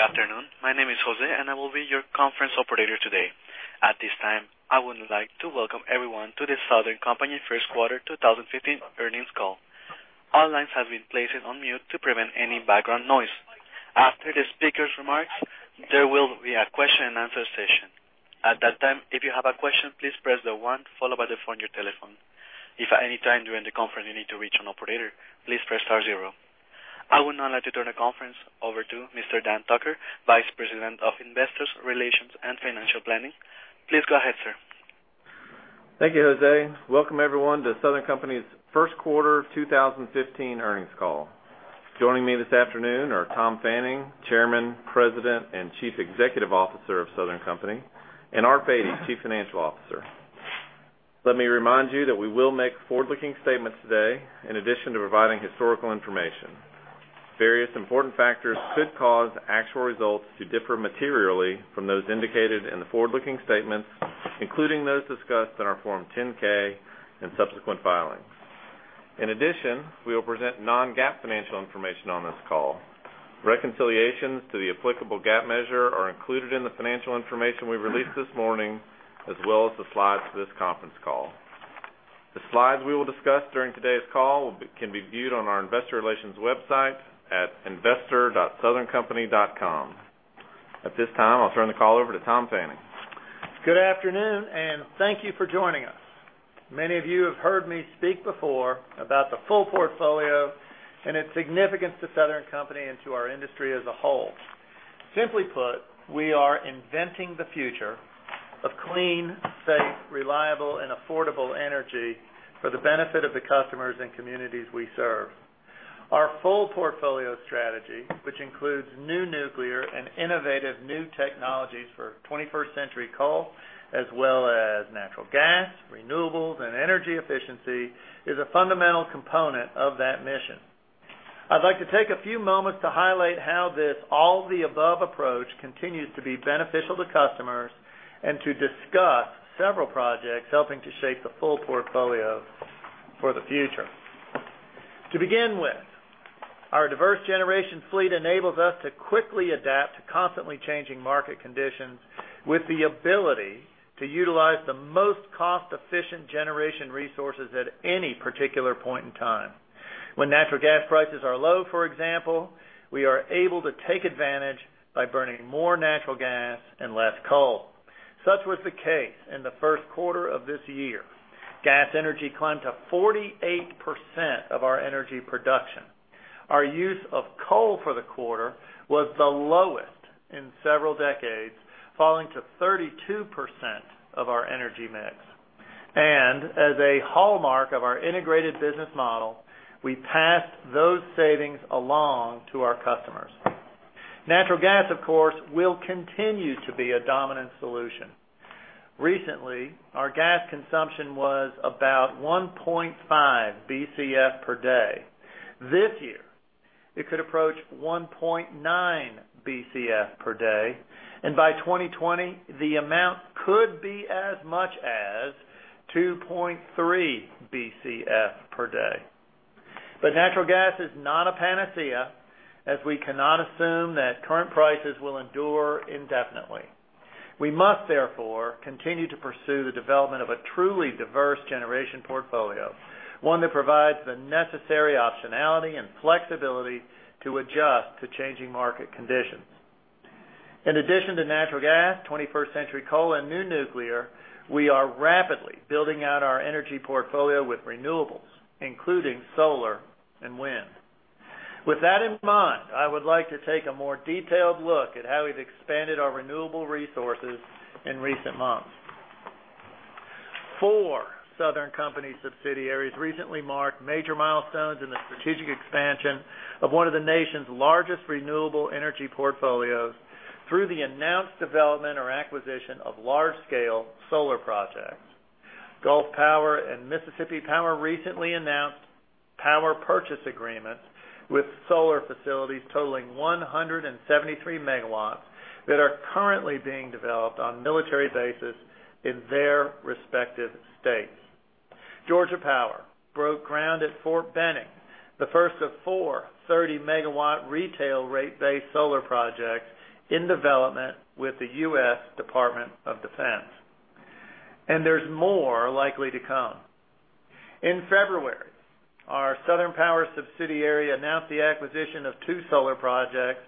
Good afternoon. My name is Jose, and I will be your conference operator today. At this time, I would like to welcome everyone to the Southern Company first quarter 2015 earnings call. All lines have been placed on mute to prevent any background noise. After the speakers' remarks, there will be a question and answer session. At that time, if you have a question, please press the one followed by the pound on your telephone. If at any time during the conference you need to reach an operator, please press star zero. I would now like to turn the conference over to Mr. Dan Tucker, Vice President of Investor Relations and Financial Planning. Please go ahead, sir. Thank you, Jose. Welcome everyone to Southern Company's first quarter 2015 earnings call. Joining me this afternoon are Tom Fanning, Chairman, President, and Chief Executive Officer of Southern Company, and Art Beattie, Chief Financial Officer. Let me remind you that we will make forward-looking statements today in addition to providing historical information. Various important factors could cause actual results to differ materially from those indicated in the forward-looking statements, including those discussed in our Form 10-K and subsequent filings. In addition, we will present non-GAAP financial information on this call. Reconciliations to the applicable GAAP measure are included in the financial information we released this morning as well as the slides for this conference call. The slides we will discuss during today's call can be viewed on our investor relations website at investor.southerncompany.com. At this time, I'll turn the call over to Tom Fanning. Good afternoon. Thank you for joining us. Many of you have heard me speak before about the full portfolio and its significance to Southern Company and to our industry as a whole. Simply put, we are inventing the future of clean, safe, reliable, and affordable energy for the benefit of the customers and communities we serve. Our full portfolio strategy, which includes new nuclear and innovative new technologies for 21st century coal as well as natural gas, renewables, and energy efficiency, is a fundamental component of that mission. I'd like to take a few moments to highlight how this all-of-the-above approach continues to be beneficial to customers and to discuss several projects helping to shape the full portfolio for the future. To begin with, our diverse generation fleet enables us to quickly adapt to constantly changing market conditions with the ability to utilize the most cost-efficient generation resources at any particular point in time. When natural gas prices are low, for example, we are able to take advantage by burning more natural gas and less coal. Such was the case in the first quarter of this year. Gas energy climbed to 48% of our energy production. Our use of coal for the quarter was the lowest in several decades, falling to 32% of our energy mix. As a hallmark of our integrated business model, we passed those savings along to our customers. Natural gas, of course, will continue to be a dominant solution. Recently, our gas consumption was about 1.5 BCF per day. This year, it could approach 1.9 BCF per day, by 2020, the amount could be as much as 2.3 BCF per day. Natural gas is not a panacea, as we cannot assume that current prices will endure indefinitely. We must, therefore, continue to pursue the development of a truly diverse generation portfolio, one that provides the necessary optionality and flexibility to adjust to changing market conditions. In addition to natural gas, 21st-century coal, and new nuclear, we are rapidly building out our energy portfolio with renewables, including solar and wind. With that in mind, I would like to take a more detailed look at how we've expanded our renewable resources in recent months. Four Southern Company subsidiaries recently marked major milestones in the strategic expansion of one of the nation's largest renewable energy portfolios through the announced development or acquisition of large-scale solar projects. Gulf Power and Mississippi Power recently announced power purchase agreements with solar facilities totaling 173 megawatts that are currently being developed on military bases in their respective states. Georgia Power broke ground at Fort Benning, the first of four 30-megawatt retail rate-based solar projects in development with the U.S. Department of Defense. There's more likely to come. In February, our Southern Power subsidiary announced the acquisition of two solar projects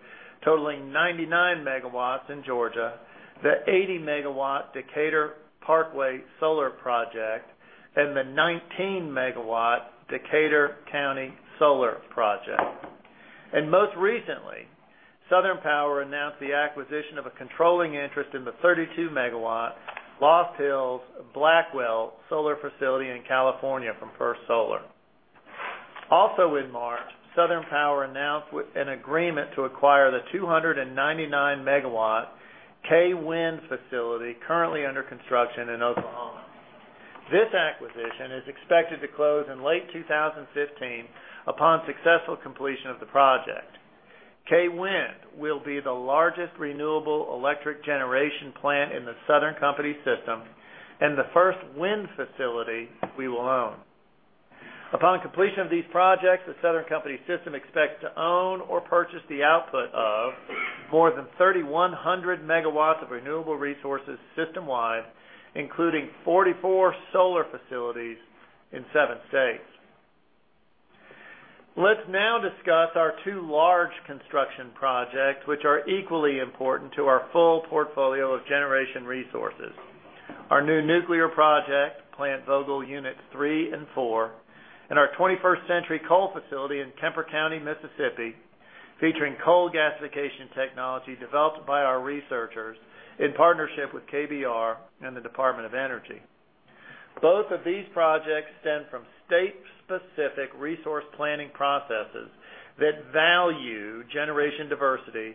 totaling 99 megawatts in Georgia, the 80-megawatt Decatur Parkway Solar Project and the 19-megawatt Decatur County Solar Project. Most recently, Southern Power announced the acquisition of a controlling interest in the 32-megawatt Lost Hills-Blackwell Solar Facility in California from First Solar. In March, Southern Power announced an agreement to acquire the 299-megawatt Kay Wind facility currently under construction in Oklahoma. This acquisition is expected to close in late 2015 upon successful completion of the project. Kay Wind will be the largest renewable electric generation plant in the Southern Company system and the first wind facility we will own. Upon completion of these projects, the Southern Company system expects to own or purchase the output of more than 3,100 megawatts of renewable resources system-wide, including 44 solar facilities in seven states. Let's now discuss our two large construction projects, which are equally important to our full portfolio of generation resources. Our new nuclear project, Plant Vogtle Units 3 and 4, and our 21st-century coal facility in Kemper County, Mississippi, featuring coal gasification technology developed by our researchers in partnership with KBR and the Department of Energy. Both of these projects stem from state-specific resource planning processes that value generation diversity,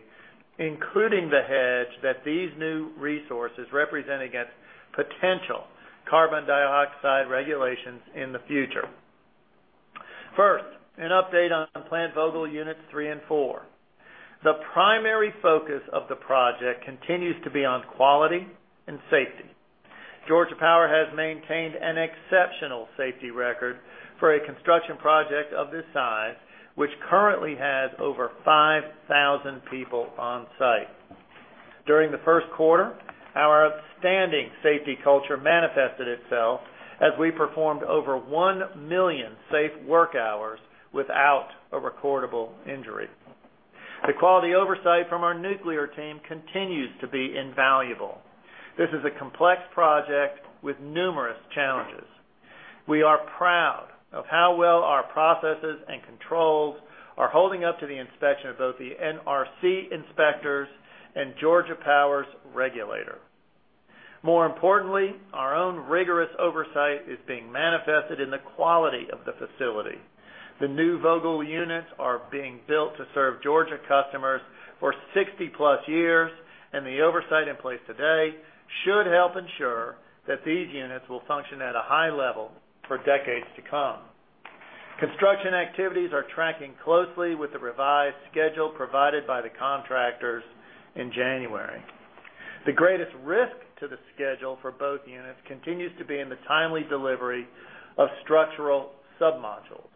including the hedge that these new resources represent against potential carbon dioxide regulations in the future. First, an update on Plant Vogtle Units 3 and 4. The primary focus of the project continues to be on quality and safety. Georgia Power has maintained an exceptional safety record for a construction project of this size, which currently has over 5,000 people on site. During the first quarter, our outstanding safety culture manifested itself as we performed over 1 million safe work hours without a recordable injury. The quality oversight from our nuclear team continues to be invaluable. This is a complex project with numerous challenges. We are proud of how well our processes and controls are holding up to the inspection of both the NRC inspectors and Georgia Power's regulator. More importantly, our own rigorous oversight is being manifested in the quality of the facility. The new Vogtle units are being built to serve Georgia customers for 60-plus years, and the oversight in place today should help ensure that these units will function at a high level for decades to come. Construction activities are tracking closely with the revised schedule provided by the contractors in January. The greatest risk to the schedule for both units continues to be in the timely delivery of structural submodules.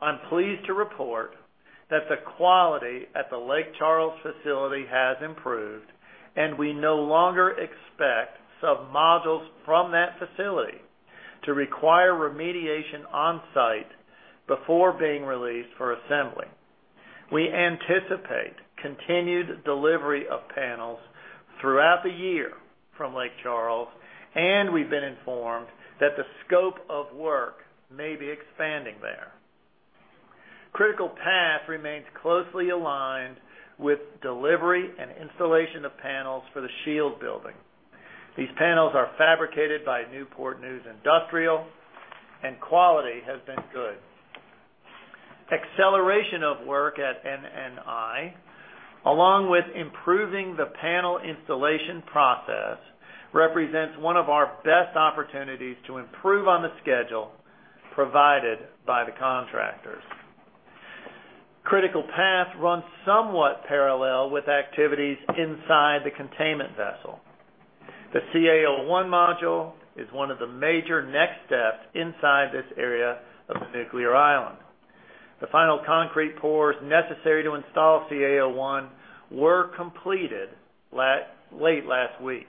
I'm pleased to report that the quality at the Lake Charles facility has improved, and we no longer expect submodules from that facility to require remediation on-site before being released for assembly. We anticipate continued delivery of panels throughout the year from Lake Charles, and we've been informed that the scope of work may be expanding there. Critical path remains closely aligned with delivery and installation of panels for the shield building. These panels are fabricated by Newport News Industrial, and quality has been good. Acceleration of work at NNI, along with improving the panel installation process, represents one of our best opportunities to improve on the schedule provided by the contractors. Critical path runs somewhat parallel with activities inside the containment vessel. The CA01 module is one of the major next steps inside this area of the nuclear island. The final concrete pours necessary to install CA01 were completed late last week.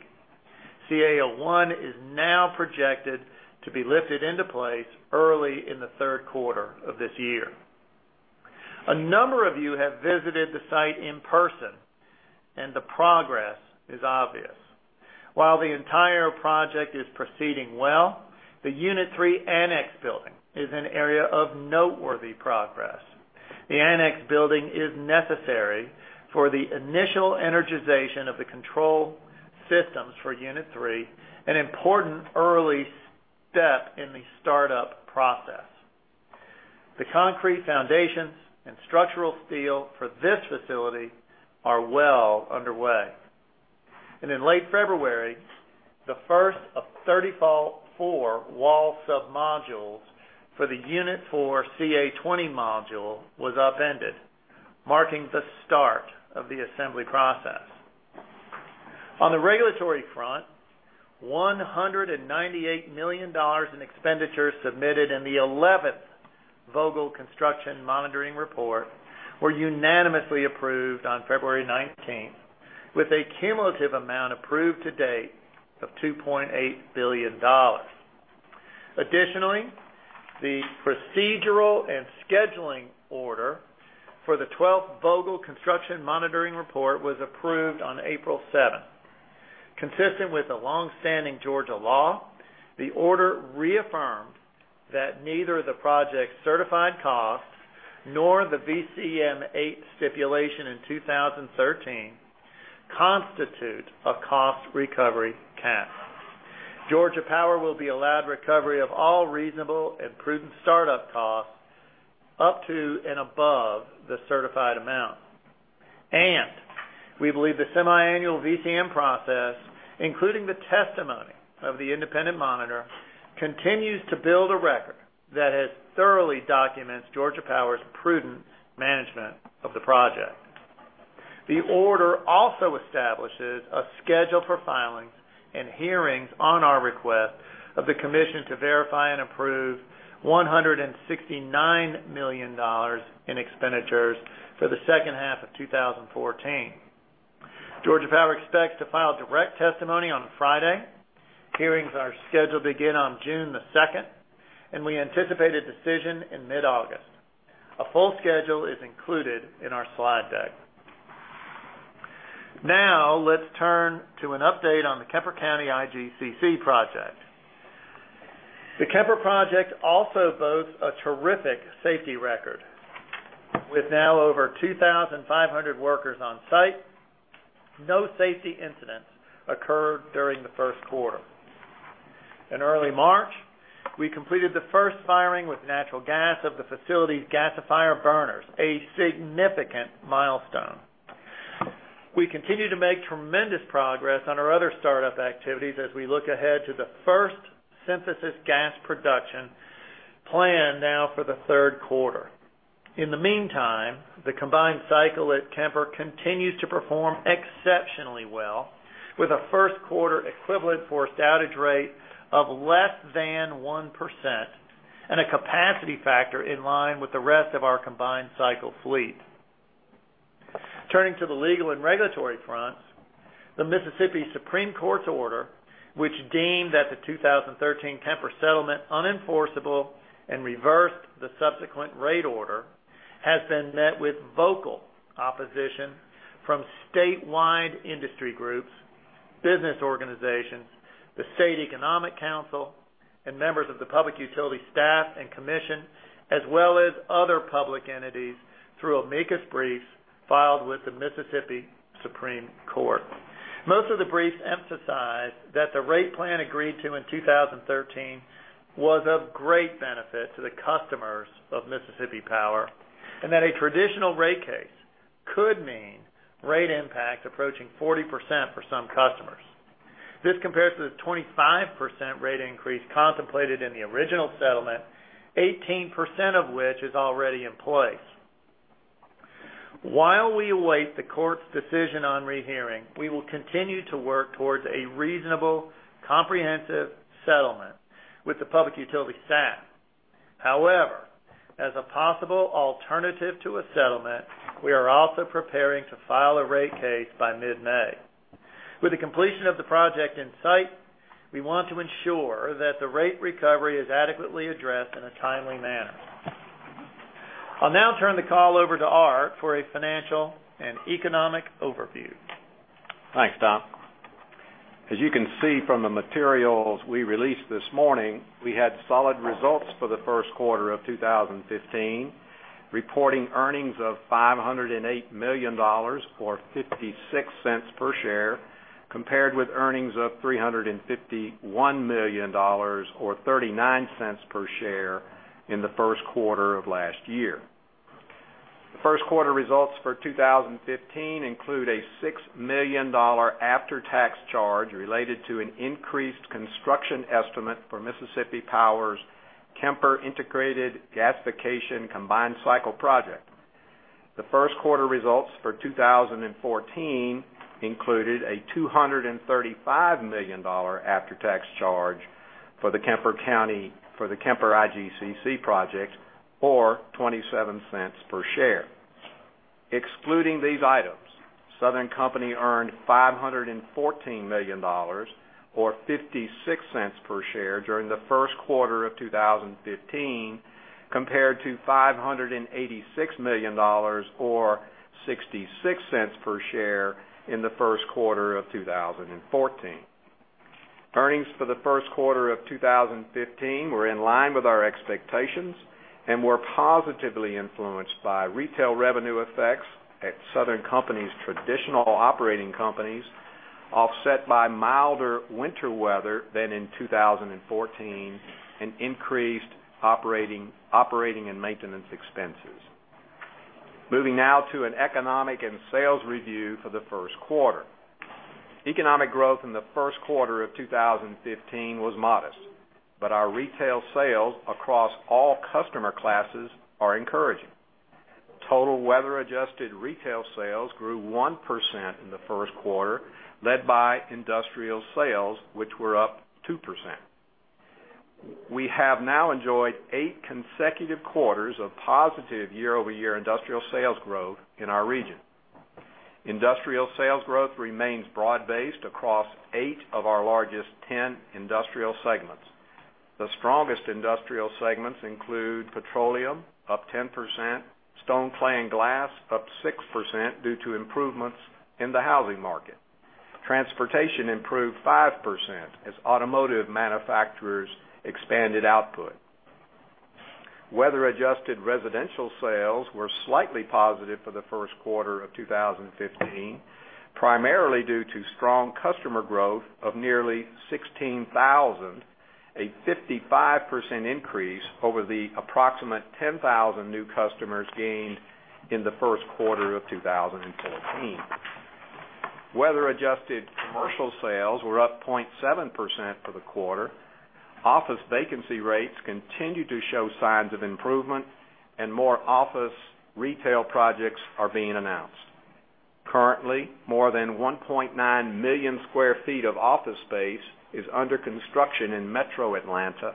CA01 is now projected to be lifted into place early in the third quarter of this year. A number of you have visited the site in person, and the progress is obvious. While the entire project is proceeding well, the Unit 3 annex building is an area of noteworthy progress. The annex building is necessary for the initial energization of the control systems for Unit 3, an important early step in the startup process. The concrete foundations and structural steel for this facility are well underway. In late February, the first of 34 wall submodules for the Unit 4 CA20 module was upended, marking the start of the assembly process. On the regulatory front, $198 million in expenditures submitted in the 11th Vogtle Construction Monitoring Report were unanimously approved on February 19th, with a cumulative amount approved to date of $2.8 billion. Additionally, the procedural and scheduling order for the 12th Vogtle Construction Monitoring Report was approved on April 7th. Consistent with the longstanding Georgia law, the order reaffirmed that neither the project's certified costs nor the VCM8 stipulation in 2013 constitute a cost recovery cap. Georgia Power will be allowed recovery of all reasonable and prudent startup costs up to and above the certified amount. We believe the semiannual VCM process, including the testimony of the independent monitor, continues to build a record that has thoroughly documented Georgia Power's prudent management of the project. The order also establishes a schedule for filings and hearings on our request of the commission to verify and approve $169 million in expenditures for the second half of 2014. Georgia Power expects to file direct testimony on Friday. Hearings are scheduled to begin on June the 2nd, and we anticipate a decision in mid-August. A full schedule is included in our slide deck. Let's turn to an update on the Kemper County IGCC project. The Kemper project also boasts a terrific safety record. With now over 2,500 workers on site, no safety incidents occurred during the first quarter. In early March, we completed the first firing with natural gas of the facility's gasifier burners, a significant milestone. We continue to make tremendous progress on our other startup activities as we look ahead to the first synthesis gas production planned now for the third quarter. In the meantime, the combined cycle at Kemper continues to perform exceptionally well, with a first quarter equivalent forced outage rate of less than 1% and a capacity factor in line with the rest of our combined cycle fleet. Turning to the legal and regulatory fronts, the Mississippi Supreme Court's order, which deemed that the 2013 Kemper settlement unenforceable and reversed the subsequent rate order, has been met with vocal opposition from statewide industry groups, business organizations, the Mississippi Economic Council, and members of the Mississippi Public Utilities Staff and Public Service Commission, as well as other public entities through amicus briefs filed with the Mississippi Supreme Court. Most of the briefs emphasized that the rate plan agreed to in 2013 was of great benefit to the customers of Mississippi Power, that a traditional rate case could mean rate impact approaching 40% for some customers. This compares to the 25% rate increase contemplated in the original settlement, 18% of which is already in place. While we await the court's decision on rehearing, we will continue to work towards a reasonable, comprehensive settlement with the Mississippi Public Utilities Staff. However, as a possible alternative to a settlement, we are also preparing to file a rate case by mid-May. With the completion of the project in sight, we want to ensure that the rate recovery is adequately addressed in a timely manner. I'll now turn the call over to Art for a financial and economic overview. Thanks, Tom. As you can see from the materials we released this morning, we had solid results for the first quarter of 2015, reporting earnings of $508 million, or $0.56 per share, compared with earnings of $351 million or $0.39 per share in the first quarter of last year. The first quarter results for 2015 include a $6 million after-tax charge related to an increased construction estimate for Mississippi Power's Kemper Integrated Gasification Combined Cycle project. The first quarter results for 2014 included a $235 million after-tax charge for the Kemper IGCC project, or $0.27 per share. Excluding these items, Southern Company earned $514 million, or $0.56 per share during the first quarter of 2015, compared to $586 million, or $0.66 per share in the first quarter of 2014. Earnings for the first quarter of 2015 were in line with our expectations and were positively influenced by retail revenue effects at Southern Company's traditional operating companies, offset by milder winter weather than in 2014 and increased operating and maintenance expenses. Moving now to an economic and sales review for the first quarter. Economic growth in the first quarter of 2015 was modest, but our retail sales across all customer classes are encouraging. Total weather-adjusted retail sales grew 1% in the first quarter, led by industrial sales, which were up 2%. We have now enjoyed eight consecutive quarters of positive year-over-year industrial sales growth in our region. Industrial sales growth remains broad-based across eight of our largest ten industrial segments. The strongest industrial segments include petroleum, up 10%, stone, clay, and glass, up 6% due to improvements in the housing market. Transportation improved 5% as automotive manufacturers expanded output. Weather-adjusted residential sales were slightly positive for the first quarter of 2015, primarily due to strong customer growth of nearly 16,000, a 55% increase over the approximate 10,000 new customers gained in the first quarter of 2014. Weather-adjusted commercial sales were up 0.7% for the quarter. Office vacancy rates continue to show signs of improvement and more office retail projects are being announced. Currently, more than 1.9 million square feet of office space is under construction in Metro Atlanta.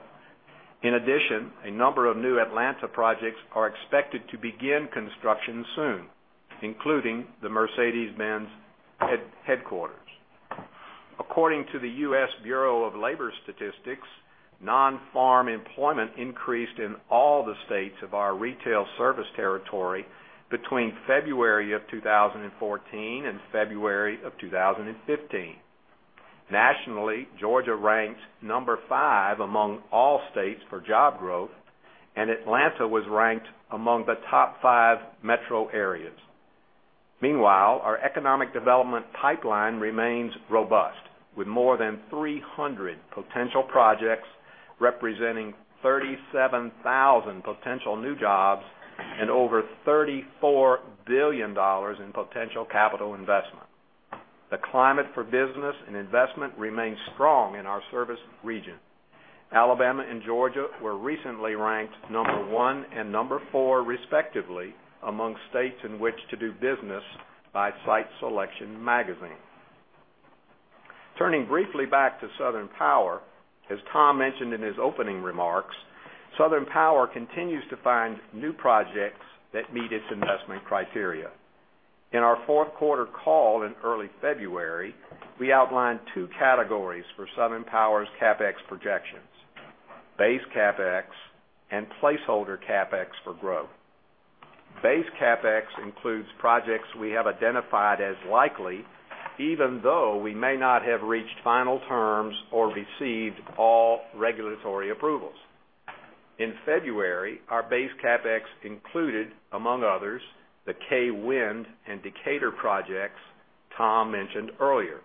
In addition, a number of new Atlanta projects are expected to begin construction soon, including the Mercedes-Benz headquarters. According to the U.S. Bureau of Labor Statistics, non-farm employment increased in all the states of our retail service territory between February of 2014 and February of 2015. Nationally, Georgia ranks number 5 among all states for job growth, and Atlanta was ranked among the top five metro areas. Meanwhile, our economic development pipeline remains robust with more than 300 potential projects representing 37,000 potential new jobs and over $34 billion in potential capital investment. The climate for business and investment remains strong in our service region. Alabama and Georgia were recently ranked number 1 and number 4 respectively among states in which to do business by Site Selection magazine. Turning briefly back to Southern Power, as Tom mentioned in his opening remarks, Southern Power continues to find new projects that meet its investment criteria. In our fourth quarter call in early February, we outlined two categories for Southern Power's CapEx projections: base CapEx and placeholder CapEx for growth. Base CapEx includes projects we have identified as likely, even though we may not have reached final terms or received all regulatory approvals. In February, our base CapEx included, among others, the Kay Wind and Decatur projects Tom mentioned earlier.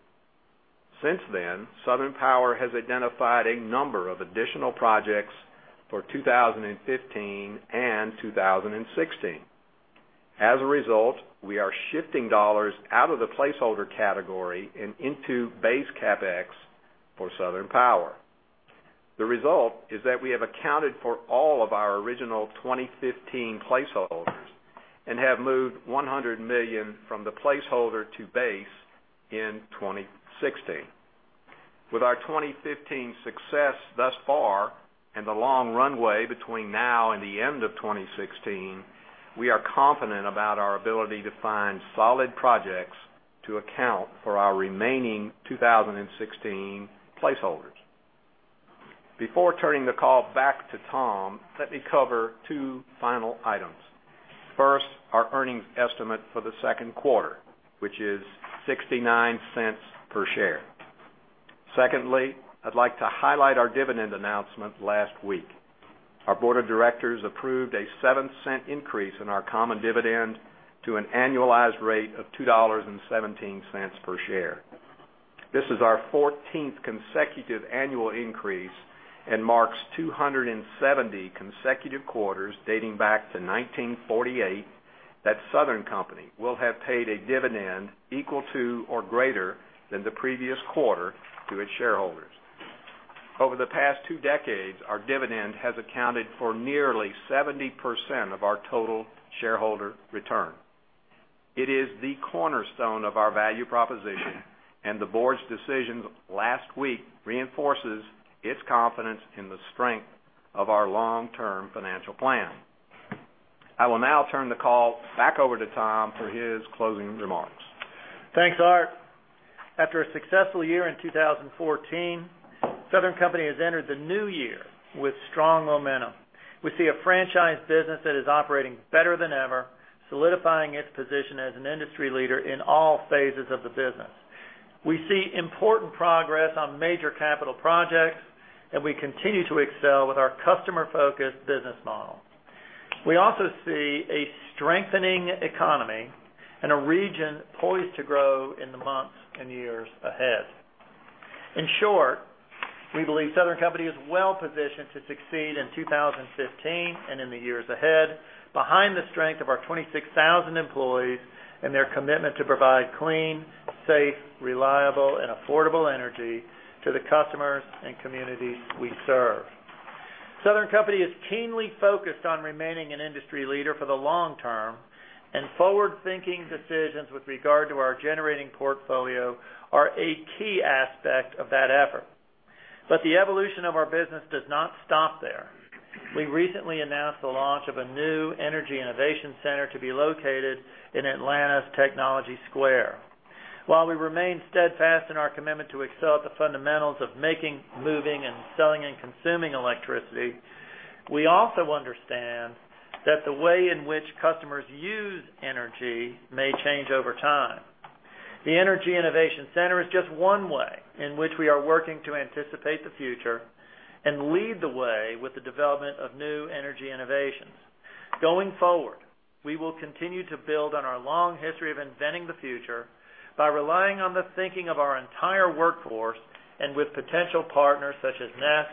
Since then, Southern Power has identified a number of additional projects for 2015 and 2016. As a result, we are shifting dollars out of the placeholder category and into base CapEx for Southern Power. The result is that we have accounted for all of our original 2015 placeholders and have moved $100 million from the placeholder to base in 2016. With our 2015 success thus far and the long runway between now and the end of 2016, we are confident about our ability to find solid projects to account for our remaining 2016 placeholders. Before turning the call back to Tom, let me cover two final items. First, our earnings estimate for the second quarter, which is $0.69 per share. Secondly, I'd like to highlight our dividend announcement last week. Our board of directors approved a $0.07 increase in our common dividend to an annualized rate of $2.17 per share. This is our 14th consecutive annual increase and marks 270 consecutive quarters dating back to 1948, that Southern Company will have paid a dividend equal to or greater than the previous quarter to its shareholders. Over the past two decades, our dividend has accounted for nearly 70% of our total shareholder return. It is the cornerstone of our value proposition, and the board's decision last week reinforces its confidence in the strength of our long-term financial plan. I will now turn the call back over to Tom for his closing remarks. Thanks, Art. After a successful year in 2014, Southern Company has entered the new year with strong momentum. We see a franchise business that is operating better than ever, solidifying its position as an industry leader in all phases of the business. We see important progress on major capital projects, and we continue to excel with our customer-focused business model. We also see a strengthening economy and a region poised to grow in the months and years ahead. In short, we believe Southern Company is well-positioned to succeed in 2015 and in the years ahead, behind the strength of our 26,000 employees and their commitment to provide clean, safe, reliable, and affordable energy to the customers and communities we serve. Southern Company is keenly focused on remaining an industry leader for the long term, forward-thinking decisions with regard to our generating portfolio are a key aspect of that effort. The evolution of our business does not stop there. We recently announced the launch of a new Energy Innovation Center to be located in Atlanta's Technology Square. While we remain steadfast in our commitment to excel at the fundamentals of making, moving, and selling and consuming electricity, we also understand that the way in which customers use energy may change over time. The Energy Innovation Center is just one way in which we are working to anticipate the future and lead the way with the development of new energy innovations. Going forward, we will continue to build on our long history of inventing the future by relying on the thinking of our entire workforce and with potential partners such as Nest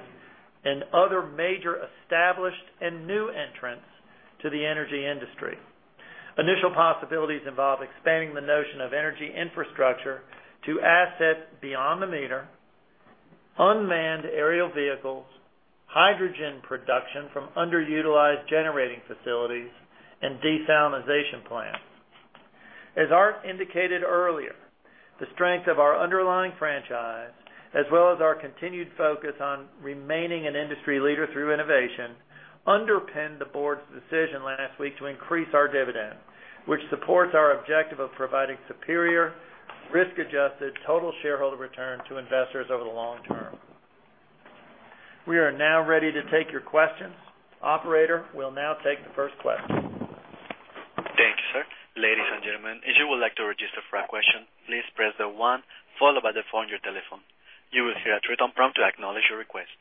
and other major established and new entrants to the energy industry. Initial possibilities involve expanding the notion of energy infrastructure to assets beyond the meter, unmanned aerial vehicles, hydrogen production from underutilized generating facilities, and desalinization plants. As Art indicated earlier, the strength of our underlying franchise, as well as our continued focus on remaining an industry leader through innovation, underpinned the board's decision last week to increase our dividend, which supports our objective of providing superior risk-adjusted total shareholder return to investors over the long term. We are now ready to take your questions. Operator, we'll now take the first question. Thank you, sir. Ladies and gentlemen, if you would like to register for a question, please press the one followed by the four on your telephone. You will hear a three-tone prompt to acknowledge your request.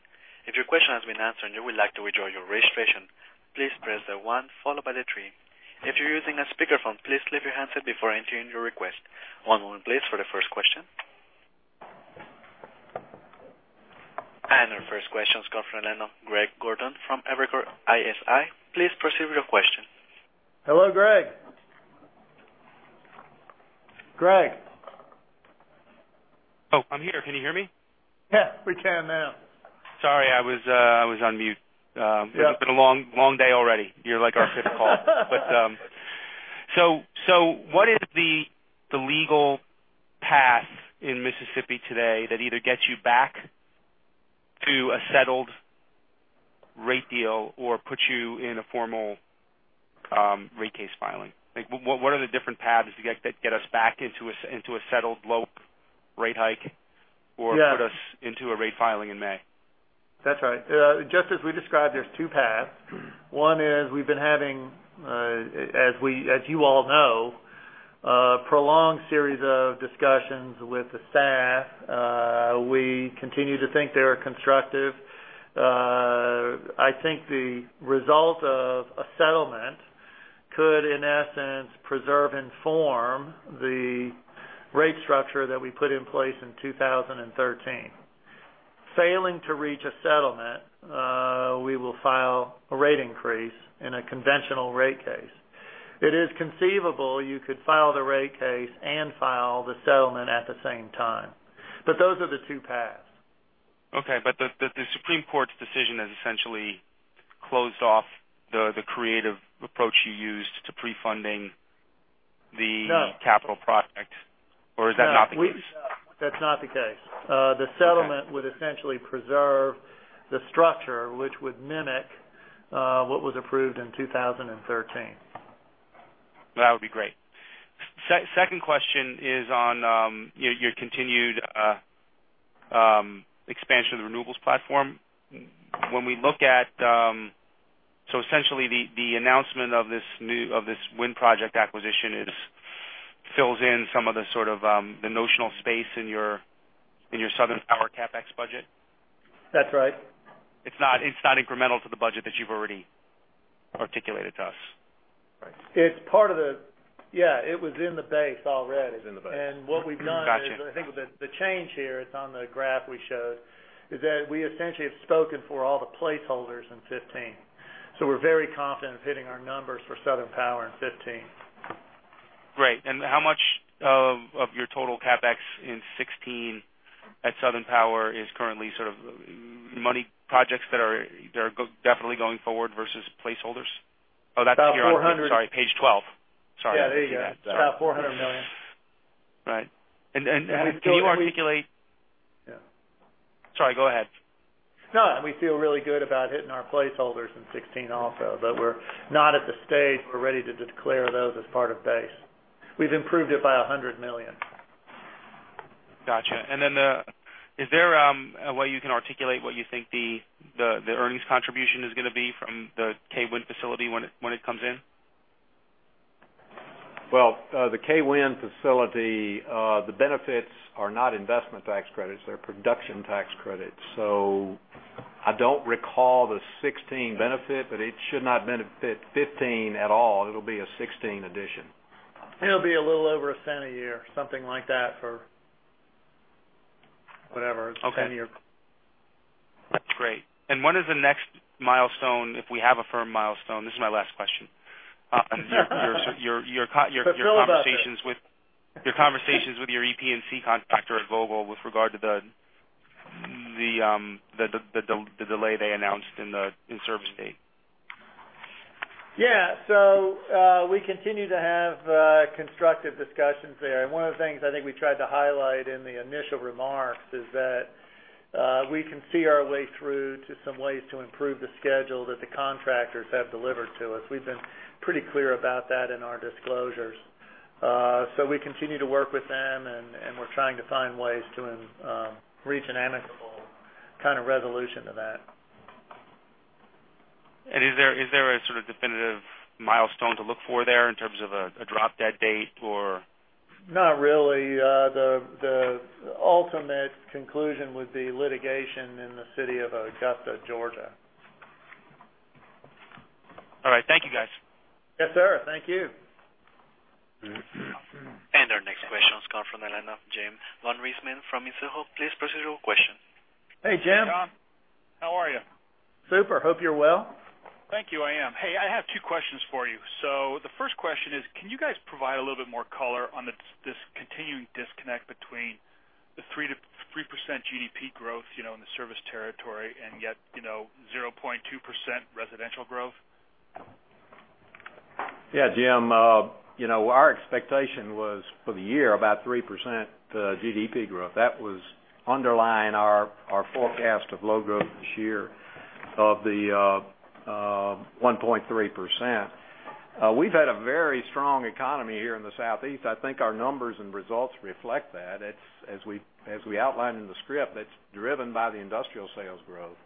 If your question has been answered and you would like to withdraw your registration, please press the one followed by the three. If you're using a speakerphone, please leave your handset before entering your request. One moment please for the first question. Our first question's coming from the line of Greg Gordon from Evercore ISI. Please proceed with your question. Hello, Greg. Greg? Oh, I'm here. Can you hear me? Yeah, we can now. Sorry, I was on mute. Yeah. What is the legal path in Mississippi today that either gets you back to a settled rate deal or puts you in a formal rate case filing? What are the different paths to get us back into a settled low rate hike- Yeah put us into a rate filing in May? That's right. Just as we described, there's two paths. One is we've been having, as you all know, a prolonged series of discussions with the staff. We continue to think they are constructive. I think the result of a settlement could, in essence, preserve and form the rate structure that we put in place in 2013. Failing to reach a settlement, we will file a rate increase in a conventional rate case. It is conceivable you could file the rate case and file the settlement at the same time. those are the two paths. Okay. The Supreme Court's decision has essentially closed off the creative approach you used to pre-funding. No Capital project. Is that not the case? No. That's not the case. Okay. The settlement would essentially preserve the structure, which would mimic what was approved in 2013. That would be great. Second question is on your continued expansion of the renewables platform. Essentially the announcement of this wind project acquisition fills in some of the notional space in your Southern Power CapEx budget? That's right. It's not incremental to the budget that you've already articulated to us. Right. Yeah, it was in the base already. It was in the base. What we've done is. Gotcha I think the change here, it's on the graph we showed, is that we essentially have spoken for all the placeholders in 2015. We're very confident of hitting our numbers for Southern Power in 2015. Great. How much of your total CapEx in 2016 at Southern Power is currently money projects that are definitely going forward versus placeholders? About $400. Sorry, page 12. Sorry. Yeah, there you go. It's about $400 million. Right. Can you? Yeah. Sorry, go ahead. No, we feel really good about hitting our placeholders in 2016 also. We're not at the stage we're ready to declare those as part of base. We've improved it by $100 million. Gotcha. Then is there a way you can articulate what you think the earnings contribution is going to be from the Kay Wind facility when it comes in? Well, the Kay Wind facility, the benefits are not investment tax credits. They're production tax credits. I don't recall the 2016 benefit, it should not benefit 2015 at all. It'll be a 2016 addition. It'll be a little over $0.01 a year. Something like that for whatever- Okay it's a 10-year. Great. When is the next milestone, if we have a firm milestone? This is my last question. about that. Your conversations with your EPC contractor at Vogtle with regard to the delay they announced in service date. Yeah. We continue to have constructive discussions there. One of the things I think we tried to highlight in the initial remarks is that we can see our way through to some ways to improve the schedule that the contractors have delivered to us. We've been pretty clear about that in our disclosures. We continue to work with them, and we're trying to find ways to reach an amicable kind of resolution to that. Is there a sort of definitive milestone to look for there in terms of a drop-dead date or? Not really. The ultimate conclusion would be litigation in the city of Augusta, Georgia. Yes, sir. Thank you. Our next question comes from the line of Jim von Riesemann from Mizuho. Please proceed with your question. Hey, Jim. Jim, how are you? Super. Hope you're well. Thank you. I am. Hey, I have two questions for you. The first question is, can you guys provide a little bit more color on this continuing disconnect between the 3% GDP growth in the service territory and yet 0.2% residential growth? Yeah. Jim, our expectation was for the year about 3% GDP growth. That was underlying our forecast of low growth this year of the 1.3%. We've had a very strong economy here in the Southeast. I think our numbers and results reflect that. As we outlined in the script, it's driven by the industrial sales growth.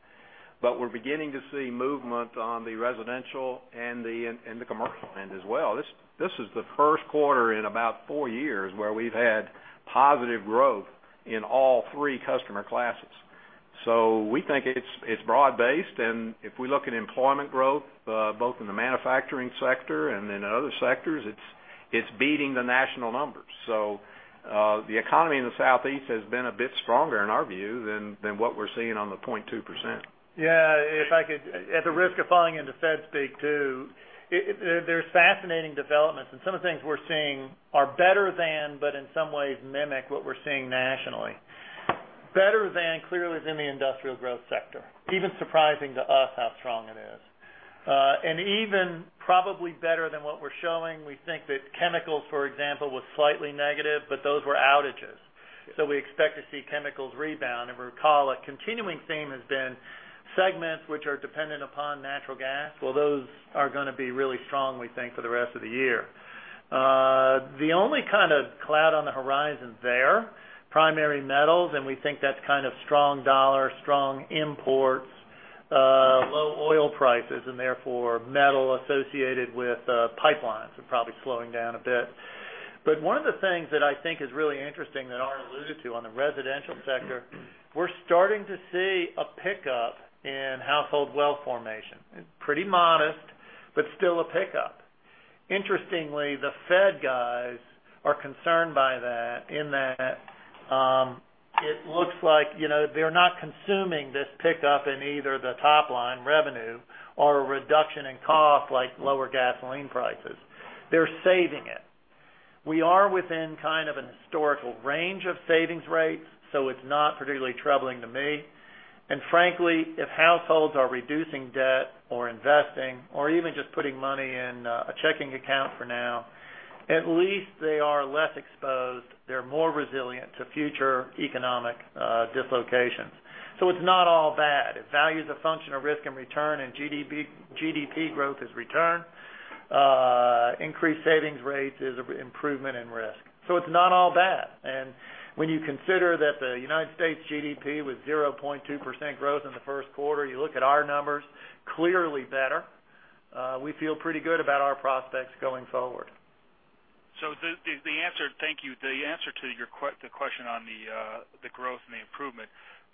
We're beginning to see movement on the residential and the commercial end as well. This is the first quarter in about four years where we've had positive growth in all 3 customer classes. We think it's broad-based, and if we look at employment growth both in the manufacturing sector and in other sectors, it's beating the national numbers. The economy in the Southeast has been a bit stronger in our view than what we're seeing on the 0.2%. Yeah. If I could, at the risk of falling into Fed speak too, there's fascinating developments, some of the things we're seeing are better than, but in some ways mimic what we're seeing nationally. Better than clearly is in the industrial growth sector. Even surprising to us how strong it is. Even probably better than what we're showing, we think that chemicals, for example, was slightly negative, but those were outages. We expect to see chemicals rebound. Recall, a continuing theme has been segments which are dependent upon natural gas. Those are going to be really strong, we think, for the rest of the year. The only kind of cloud on the horizon there, primary metals, we think that's kind of strong dollar, strong imports, low oil prices, and therefore metal associated with pipelines are probably slowing down a bit. One of the things that I think is really interesting that Art alluded to on the residential sector, we're starting to see a pickup in household wealth formation. It's pretty modest, but still a pickup. Interestingly, the Fed guys are concerned by that in that it looks like they're not consuming this pickup in either the top line revenue or a reduction in cost, like lower gasoline prices. They're saving it. We are within kind of a historical range of savings rates, so it's not particularly troubling to me. Frankly, if households are reducing debt or investing or even just putting money in a checking account for now, at least they are less exposed. They're more resilient to future economic dislocations. It's not all bad. If value is a function of risk and return and GDP growth is return, increased savings rates is improvement in risk. It's not all bad. When you consider that the United States GDP with 0.2% growth in the first quarter, you look at our numbers, clearly better. We feel pretty good about our prospects going forward. Thank you. The answer to the question on the growth and the improvement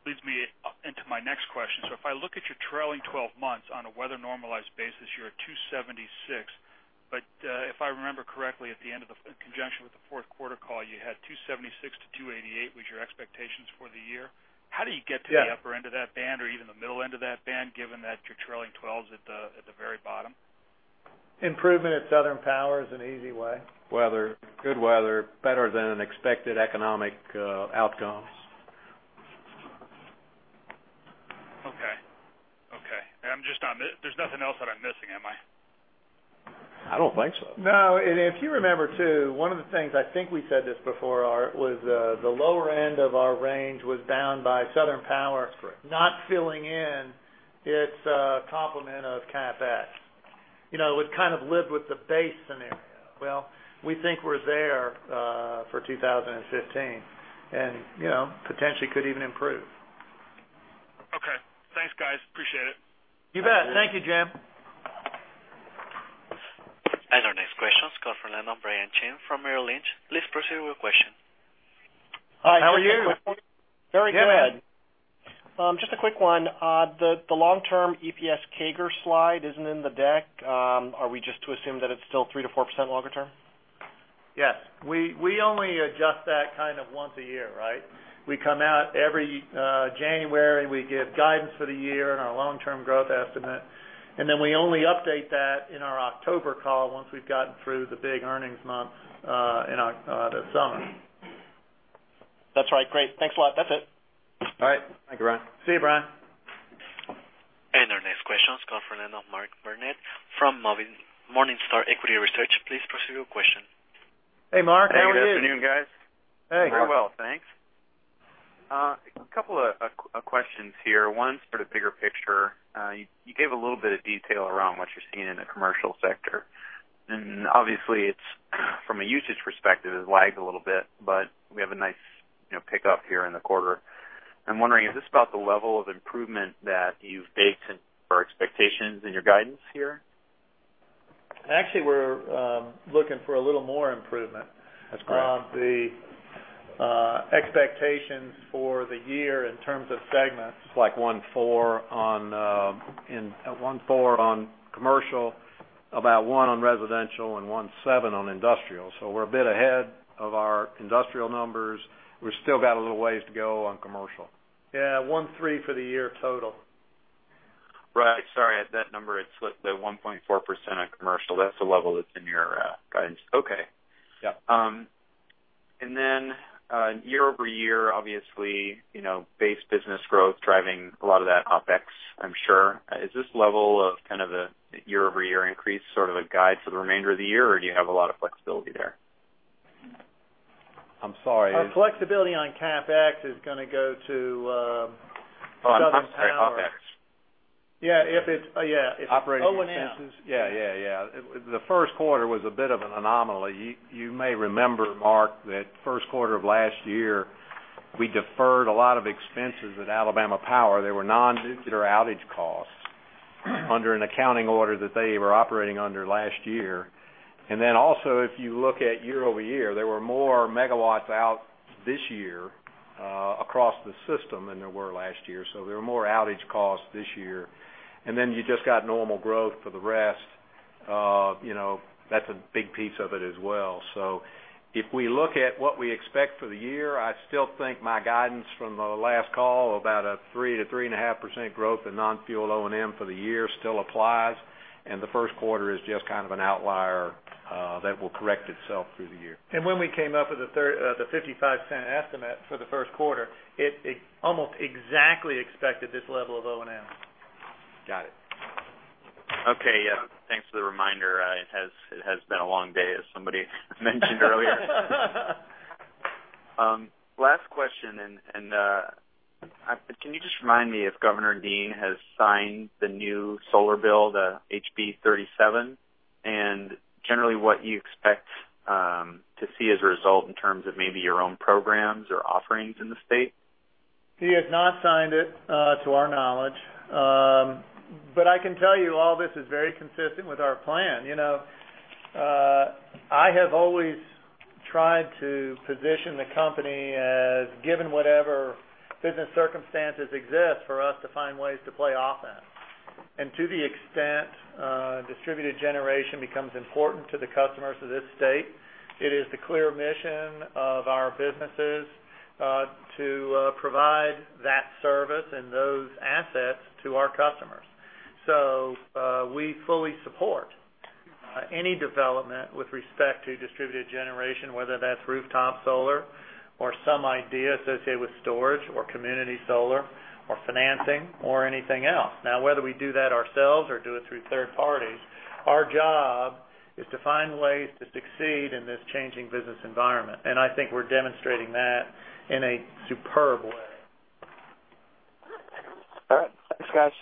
leads me into my next question. If I look at your trailing 12 months on a weather-normalized basis, you're at $2.76. If I remember correctly, in conjunction with the fourth quarter call, you had $2.76-$2.88 was your expectations for the year. Yeah. How do you get to the upper end of that band or even the middle end of that band, given that your trailing 12 is at the very bottom? Improvement at Southern Power is an easy way. Weather. Good weather. Better than expected economic outcomes. Okay. There's nothing else that I'm missing, am I? I don't think so. No. If you remember, too, one of the things, I think we said this before, Art, was the lower end of our range was bound by Southern Power. That's right. not filling in its complement of CapEx. We've kind of lived with the base scenario. Well, we think we're there for 2015, and potentially could even improve. Okay. Thanks, guys. Appreciate it. You bet. Thank you, Jim. Our next question comes from the line of Brian Chin from Merrill Lynch. Please proceed with your question. How are you? Very good. Yeah. Just a quick one. The long-term EPS CAGR slide isn't in the deck. Are we just to assume that it's still 3%-4% longer term? Yes. We only adjust that kind of once a year, right? We come out every January, we give guidance for the year and our long-term growth estimate. We only update that in our October call once we've gotten through the big earnings month in the summer. That's right. Great. Thanks a lot. That's it. All right. Thank you, Brian. See you, Brian. Our next question comes from the line of Mark Barnett from Morningstar Equity Research. Please proceed with your question. Hey, Mark. How are you? Hey, good afternoon, guys. Hey. Very well, thanks. A couple of questions here. One sort of bigger picture. You gave a little bit of detail around what you're seeing in the commercial sector. Obviously from a usage perspective, it lags a little bit, but we have a nice pickup here in the quarter. I'm wondering, is this about the level of improvement that you've baked into our expectations in your guidance here? Actually, we're looking for a little more improvement. That's correct. Expectations for the year in terms of segments. 1.4 on commercial, about one on residential, and 1.7 on industrial. We're a bit ahead of our industrial numbers. We've still got a little ways to go on commercial. 1.3 for the year total. Right. Sorry, that number had slipped. The 1.4% on commercial, that's the level that's in your guidance. Okay. Yep. year-over-year, obviously, base business growth driving a lot of that OpEx, I'm sure. Is this level of kind of a year-over-year increase sort of a guide for the remainder of the year, or do you have a lot of flexibility there? I'm sorry. Our flexibility on CapEx is going to go to Southern Power. On OpEx. Yeah, if it's O&M. Operating expenses? Yeah. The first quarter was a bit of an anomaly. You may remember, Mark, that first quarter of last year, we deferred a lot of expenses at Alabama Power. They were non-recurring outage costs under an accounting order that they were operating under last year. Also, if you look at year-over-year, there were more megawatts out this year across the system than there were last year. There were more outage costs this year. You just got normal growth for the rest. That's a big piece of it as well. If we look at what we expect for the year, I still think my guidance from the last call about a 3%-3.5% growth in non-fuel O&M for the year still applies, and the first quarter is just kind of an outlier that will correct itself through the year. When we came up with the $0.55 estimate for the first quarter, it almost exactly expected this level of O&M. Got it. Okay. Thanks for the reminder. It has been a long day, as somebody mentioned earlier. Last question, can you just remind me if Governor Deal has signed the new solar bill, the HB 57? Generally, what you expect to see as a result in terms of maybe your own programs or offerings in the state? He has not signed it, to our knowledge. I can tell you all this is very consistent with our plan. I have always tried to position the company as given whatever business circumstances exist for us to find ways to play offense. To the extent distributed generation becomes important to the customers of this state, it is the clear mission of our businesses to provide that service and those assets to our customers. We fully support any development with respect to distributed generation, whether that's rooftop solar or some idea associated with storage or community solar or financing or anything else. Whether we do that ourselves or do it through third parties, our job is to find ways to succeed in this changing business environment. I think we're demonstrating that in a superb way. All right. Thanks, guys.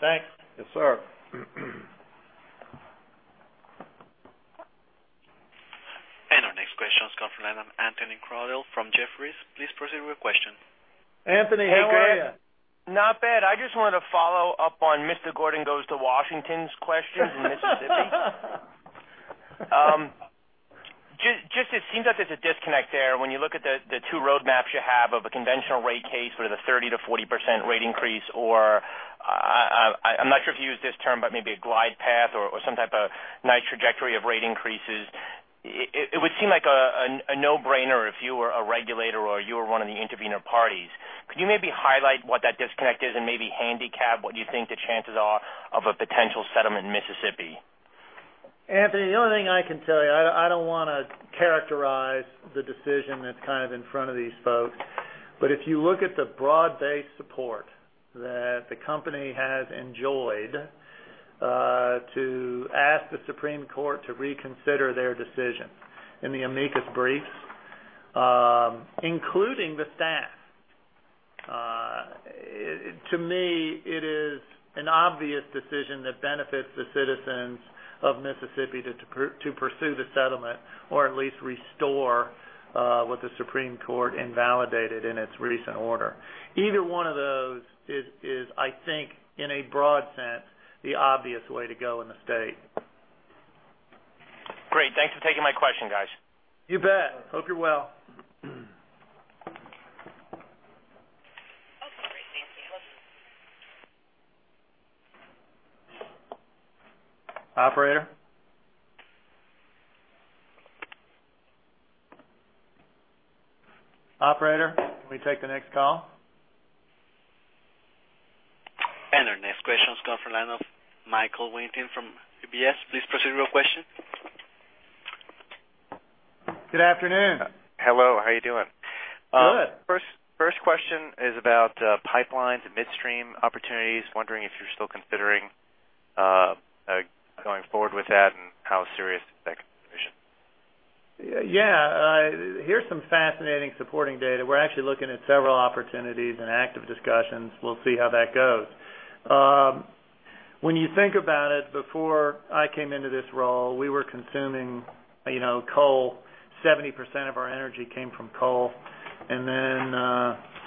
Thanks. Yes, sir. Our next question's coming from Anthony Crowdell from Jefferies. Please proceed with your question. Anthony, how are you? Hey, Greg. Not bad. I just wanted to follow up on Mr. Gordon goes to Washington's question from Mississippi. It seems like there's a disconnect there when you look at the two roadmaps you have of a conventional rate case with a 30%-40% rate increase, or I'm not sure if you used this term, but maybe a glide path or some type of nice trajectory of rate increases. It would seem like a no-brainer if you were a regulator or you were one of the intervener parties. Could you maybe highlight what that disconnect is and maybe handicap what you think the chances are of a potential settlement in Mississippi? Anthony, the only thing I can tell you, I don't want to characterize the decision that's kind of in front of these folks, but if you look at the broad-based support that the company has enjoyed to ask the Supreme Court to reconsider their decision in the amicus briefs, including the staff. To me, it is an obvious decision that benefits the citizens of Mississippi to pursue the settlement or at least restore what the Supreme Court invalidated in its recent order. Either one of those is, I think, in a broad sense, the obvious way to go in the state. Great. Thanks for taking my question, guys. You bet. Hope you're well. Okay, great. Thanks, Anthony. Operator. Operator, can we take the next call? Our next question's coming from the line of Michael Weinstein from UBS. Please proceed with your question. Good afternoon. Hello, how are you doing? Good. First question is about pipelines and midstream opportunities. Wondering if you're still considering going forward with that and how serious is that consideration? Yeah. Here's some fascinating supporting data. We're actually looking at several opportunities and active discussions. We'll see how that goes. When you think about it, before I came into this role, we were consuming coal, 70% of our energy came from coal. Then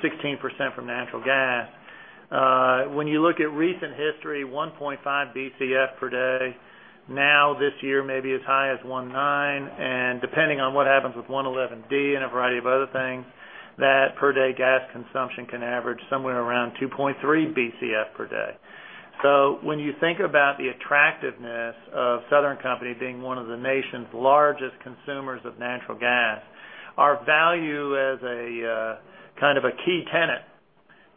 16% from natural gas. When you look at recent history, 1.5 BCF per day, now this year may be as high as 1.9, and depending on what happens with 111D and a variety of other things, that per day gas consumption can average somewhere around 2.3 BCF per day. When you think about the attractiveness of Southern Company being one of the nation's largest consumers of natural gas, our value as a key tenant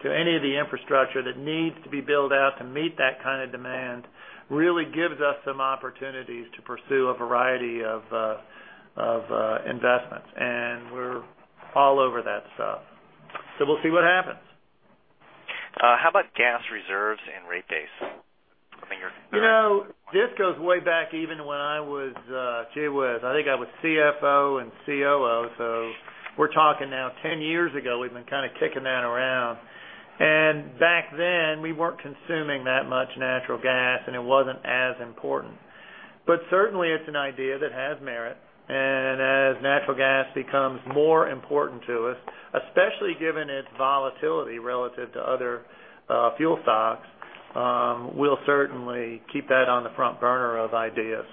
to any of the infrastructure that needs to be built out to meet that kind of demand, really gives us some opportunities to pursue a variety of investments. We're all over that stuff. We'll see what happens. How about gas reserves and rate base? This goes way back even to when, I think I was CFO and COO. We're talking now 10 years ago, we've been kind of kicking that around. Back then, we weren't consuming that much natural gas, and it wasn't as important. Certainly, it's an idea that has merit. As natural gas becomes more important to us, especially given its volatility relative to other fuel stocks, we'll certainly keep that on the front burner of ideas.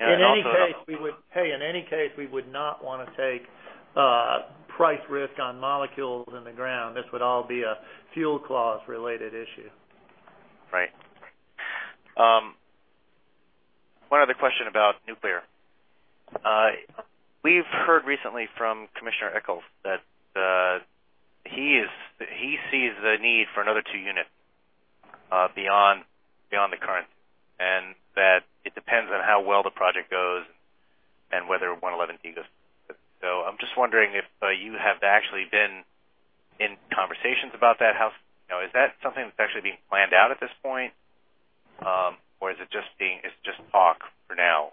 In any case, we would not want to take price risk on molecules in the ground. This would all be a fuel clause related issue. Right. One other question about nuclear. We've heard recently from Tim Echols that he sees the need for another two unit beyond the current, and that it depends on how well the project goes and whether 111D goes. I'm just wondering if you have actually been in conversations about that. Is that something that's actually being planned out at this point? Or is it just talk for now?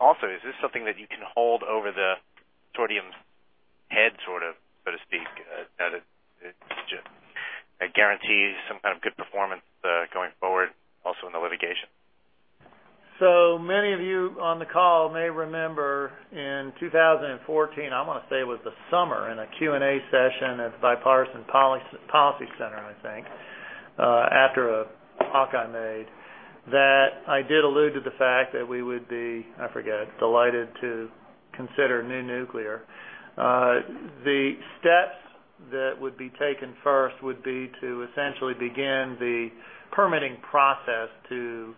Also, is this something that you can hold over the consortium's head, so to speak, that guarantees some kind of good performance, going forward, also in the litigation? Many of you on the call may remember in 2014, I want to say it was the summer in a Q&A session at the Bipartisan Policy Center, I think, after a talk I made, that I did allude to the fact that we would be, I forget, delighted to consider new nuclear. The steps that would be taken first would be to essentially begin the permitting process to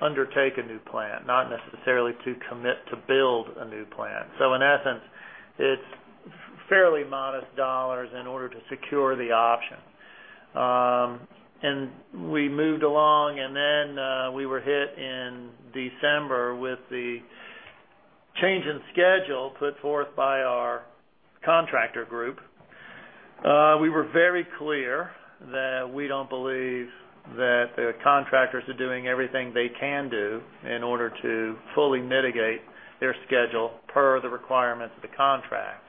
undertake a new plant, not necessarily to commit to build a new plant. In essence, it's fairly modest dollars in order to secure the option. We moved along, then we were hit in December with the change in schedule put forth by our contractor group. We were very clear that we don't believe that the contractors are doing everything they can do in order to fully mitigate their schedule per the requirements of the contract.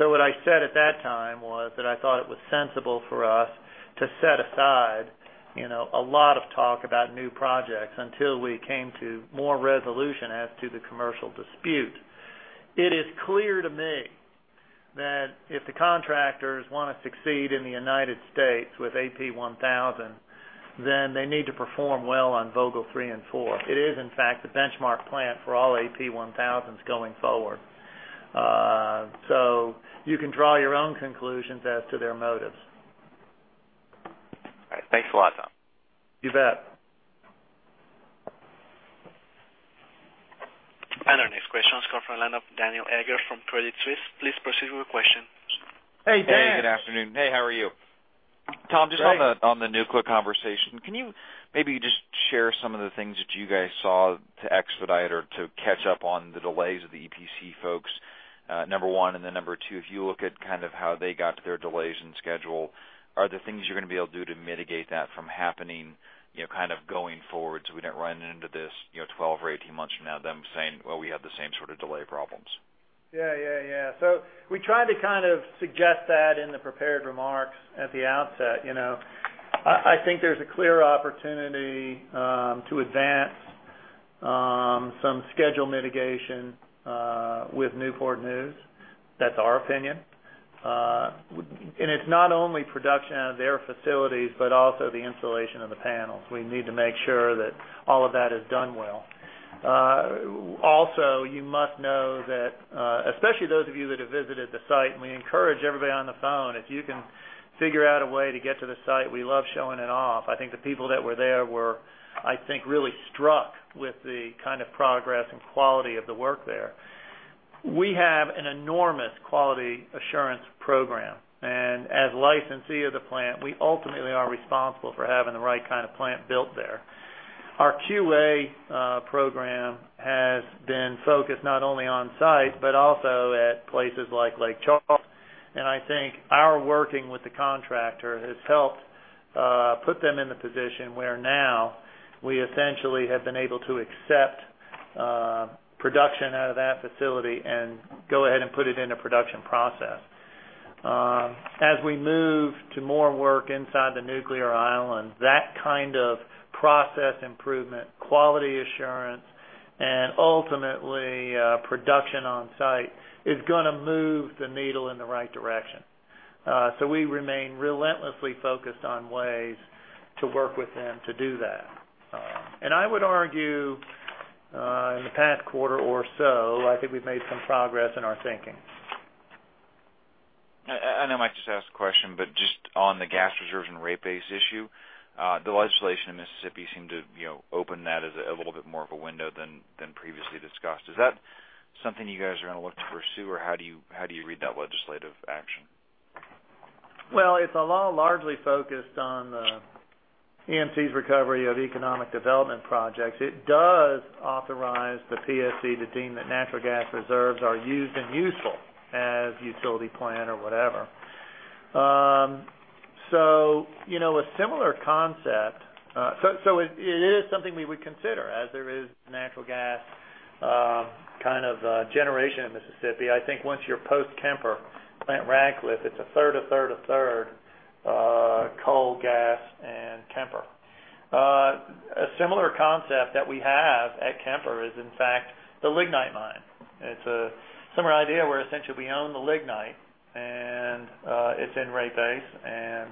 What I said at that time was that I thought it was sensible for us to set aside a lot of talk about new projects until we came to more resolution as to the commercial dispute. It is clear to me that if the contractors want to succeed in the United States with AP1000, then they need to perform well on Vogtle 3 and 4. It is, in fact, the benchmark plant for all AP1000s going forward. You can draw your own conclusions as to their motives. All right. Thanks a lot, Tom. You bet. Our next question comes from the line of Daniel Egger from Credit Suisse. Please proceed with your question. Hey, Dan. Hey, good afternoon. Hey, how are you? Tom, just on the nuclear conversation, can you maybe just share some of the things that you guys saw to expedite or to catch up on the delays of the EPC folks, number one? Number two, if you look at how they got to their delays in schedule, are there things you're going to be able to do to mitigate that from happening, going forward, so we don't run into this, 12 or 18 months from now, them saying, "Well, we have the same sort of delay problems? Yeah. We tried to suggest that in the prepared remarks at the outset. I think there's a clear opportunity to advance some schedule mitigation with Newport News. That's our opinion. It's not only production out of their facilities, but also the installation of the panels. We need to make sure that all of that is done well. You must know that, especially those of you that have visited the site, and we encourage everybody on the phone, if you can figure out a way to get to the site, we love showing it off. I think the people that were there were really struck with the kind of progress and quality of the work there. We have an enormous quality assurance program. As licensee of the plant, we ultimately are responsible for having the right kind of plant built there. Our QA program has been focused not only on site, but also at places like Lake Charles. I think our working with the contractor has helped put them in the position where now we essentially have been able to accept production out of that facility and go ahead and put it into production process. As we move to more work inside the nuclear island, that kind of process improvement, quality assurance, and ultimately, production on site is going to move the needle in the right direction. We remain relentlessly focused on ways to work with them to do that. I would argue, in the past quarter or so, I think we've made some progress in our thinking. I know Mike just asked a question. Just on the gas reserves and rate base issue, the legislation in Mississippi seemed to open that as a little bit more of a window than previously discussed. Is that something you guys are going to look to pursue? How do you read that legislative action? It's a law largely focused on the EMC's recovery of economic development projects. It does authorize the PSC to deem that natural gas reserves are used and useful as a utility plan or whatever. A similar concept. It is something we would consider as there is natural gas kind of generation in Mississippi. I think once you're post-Kemper Plant Ratcliffe, it's a third, a third, a third, coal, gas, and Kemper. A similar concept that we have at Kemper is, in fact, the lignite mine. It's a similar idea where essentially we own the lignite, and it's in rate base, and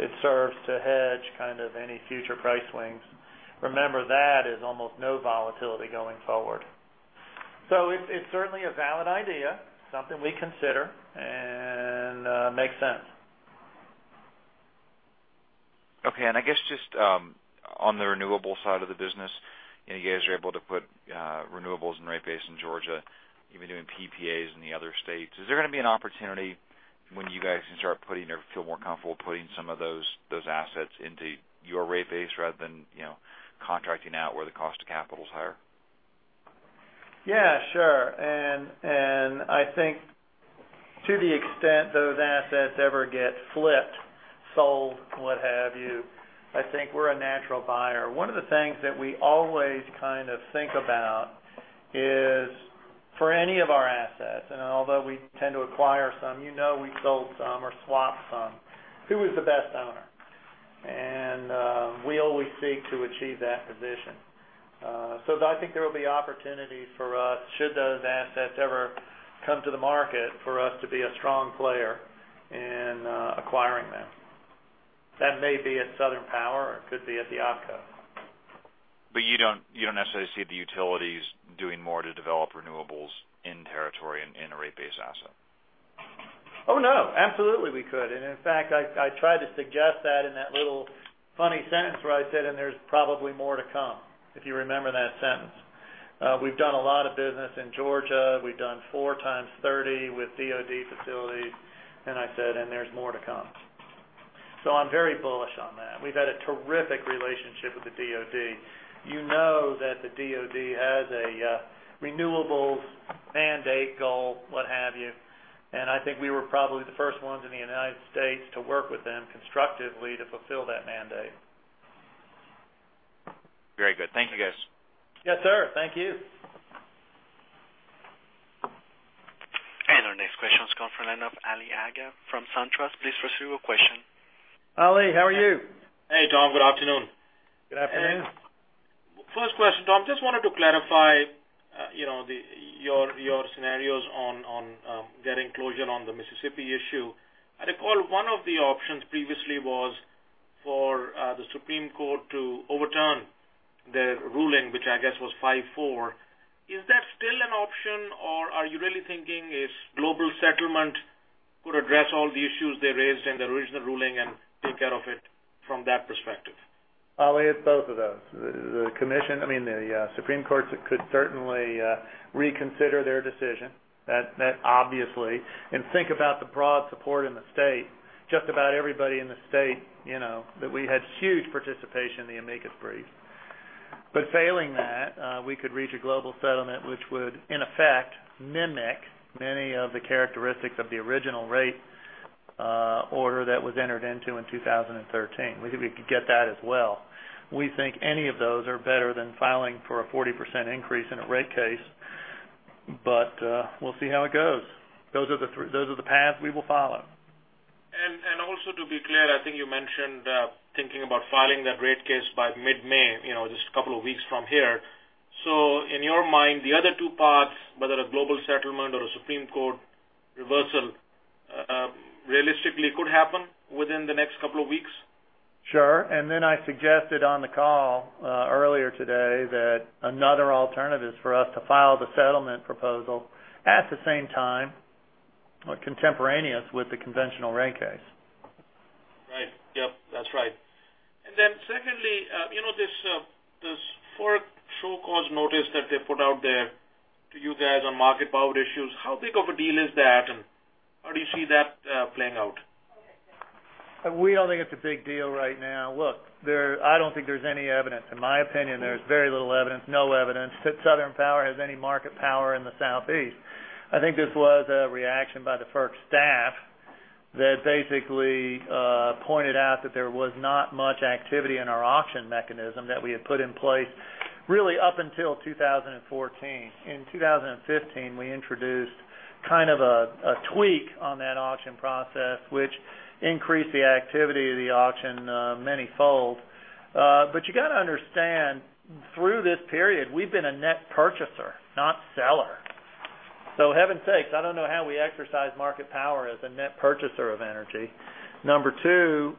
it serves to hedge kind of any future price swings. Remember, that is almost no volatility going forward. It's certainly a valid idea, something we consider, and makes sense. I guess just on the renewable side of the business, you guys are able to put renewables and rate base in Georgia. You've been doing PPAs in the other states. Is there going to be an opportunity when you guys can start putting or feel more comfortable putting some of those assets into your rate base rather than contracting out where the cost of capital is higher? Yeah, sure. I think to the extent those assets ever get flipped, sold, what have you, I think we're a natural buyer. One of the things that we always kind of think about is for any of our assets, and although we tend to acquire some, you know, we sold some or swapped some. Who is the best owner? We always seek to achieve that position. I think there will be opportunities for us should those assets ever come to the market for us to be a strong player in acquiring them. That may be at Southern Power or could be at the OPCO. You don't necessarily see the utilities doing more to develop renewables in territory in a rate base asset. Oh, no, absolutely we could. In fact, I tried to suggest that in that little funny sentence where I said, "And there's probably more to come," if you remember that sentence. We've done a lot of business in Georgia. We've done four times 30 with DoD facilities, and I said, "And there's more to come." I'm very bullish on that. We've had a terrific relationship with the DoD. You know that the DoD has a renewables mandate goal, what have you. I think we were probably the first ones in the U.S. to work with them constructively to fulfill that mandate. Very good. Thank you, guys. Yes, sir. Thank you. Our next question is coming from the line of Ali Agha from SunTrust. Please proceed with your question. Ali, how are you? Hey, Tom. Good afternoon. Good afternoon. First question, Tom. Just wanted to clarify your scenarios on getting closure on the Mississippi issue. I recall one of the options previously was for the Supreme Court to overturn the ruling, which I guess was five-four. Is that still an option, or are you really thinking a global settlement could address all the issues they raised in the original ruling and take care of it from that perspective? Ali, it's both of those. The Supreme Court could certainly reconsider their decision, that obviously. Think about the broad support in the state. Just about everybody in the state that we had huge participation in the amicus brief. Failing that, we could reach a global settlement which would, in effect, mimic many of the characteristics of the original rate order that was entered into in 2013. We could get that as well. We think any of those are better than filing for a 40% increase in a rate case. We'll see how it goes. Those are the paths we will follow. Also, to be clear, I think you mentioned thinking about filing that rate case by mid-May, just a couple of weeks from here. In your mind, the other two paths, whether a global settlement or a Supreme Court reversal, realistically could happen within the next couple of weeks? Sure. I suggested on the call earlier today that another alternative is for us to file the settlement proposal at the same time or contemporaneous with the conventional rate case. Right. Yep, that's right. Secondly, this FERC show cause notice that they put out there to you guys on market power issues, how big of a deal is that, and how do you see that playing out? We don't think it's a big deal right now. Look, I don't think there's any evidence. In my opinion, there's very little evidence, no evidence, that Southern Power has any market power in the Southeast. I think this was a reaction by the FERC staff that basically pointed out that there was not much activity in our auction mechanism that we had put in place really up until 2014. In 2015, we introduced kind of a tweak on that auction process, which increased the activity of the auction manyfold. You got to understand, through this period, we've been a net purchaser, not seller. Heaven's sakes, I don't know how we exercise market power as a net purchaser of energy. Number two,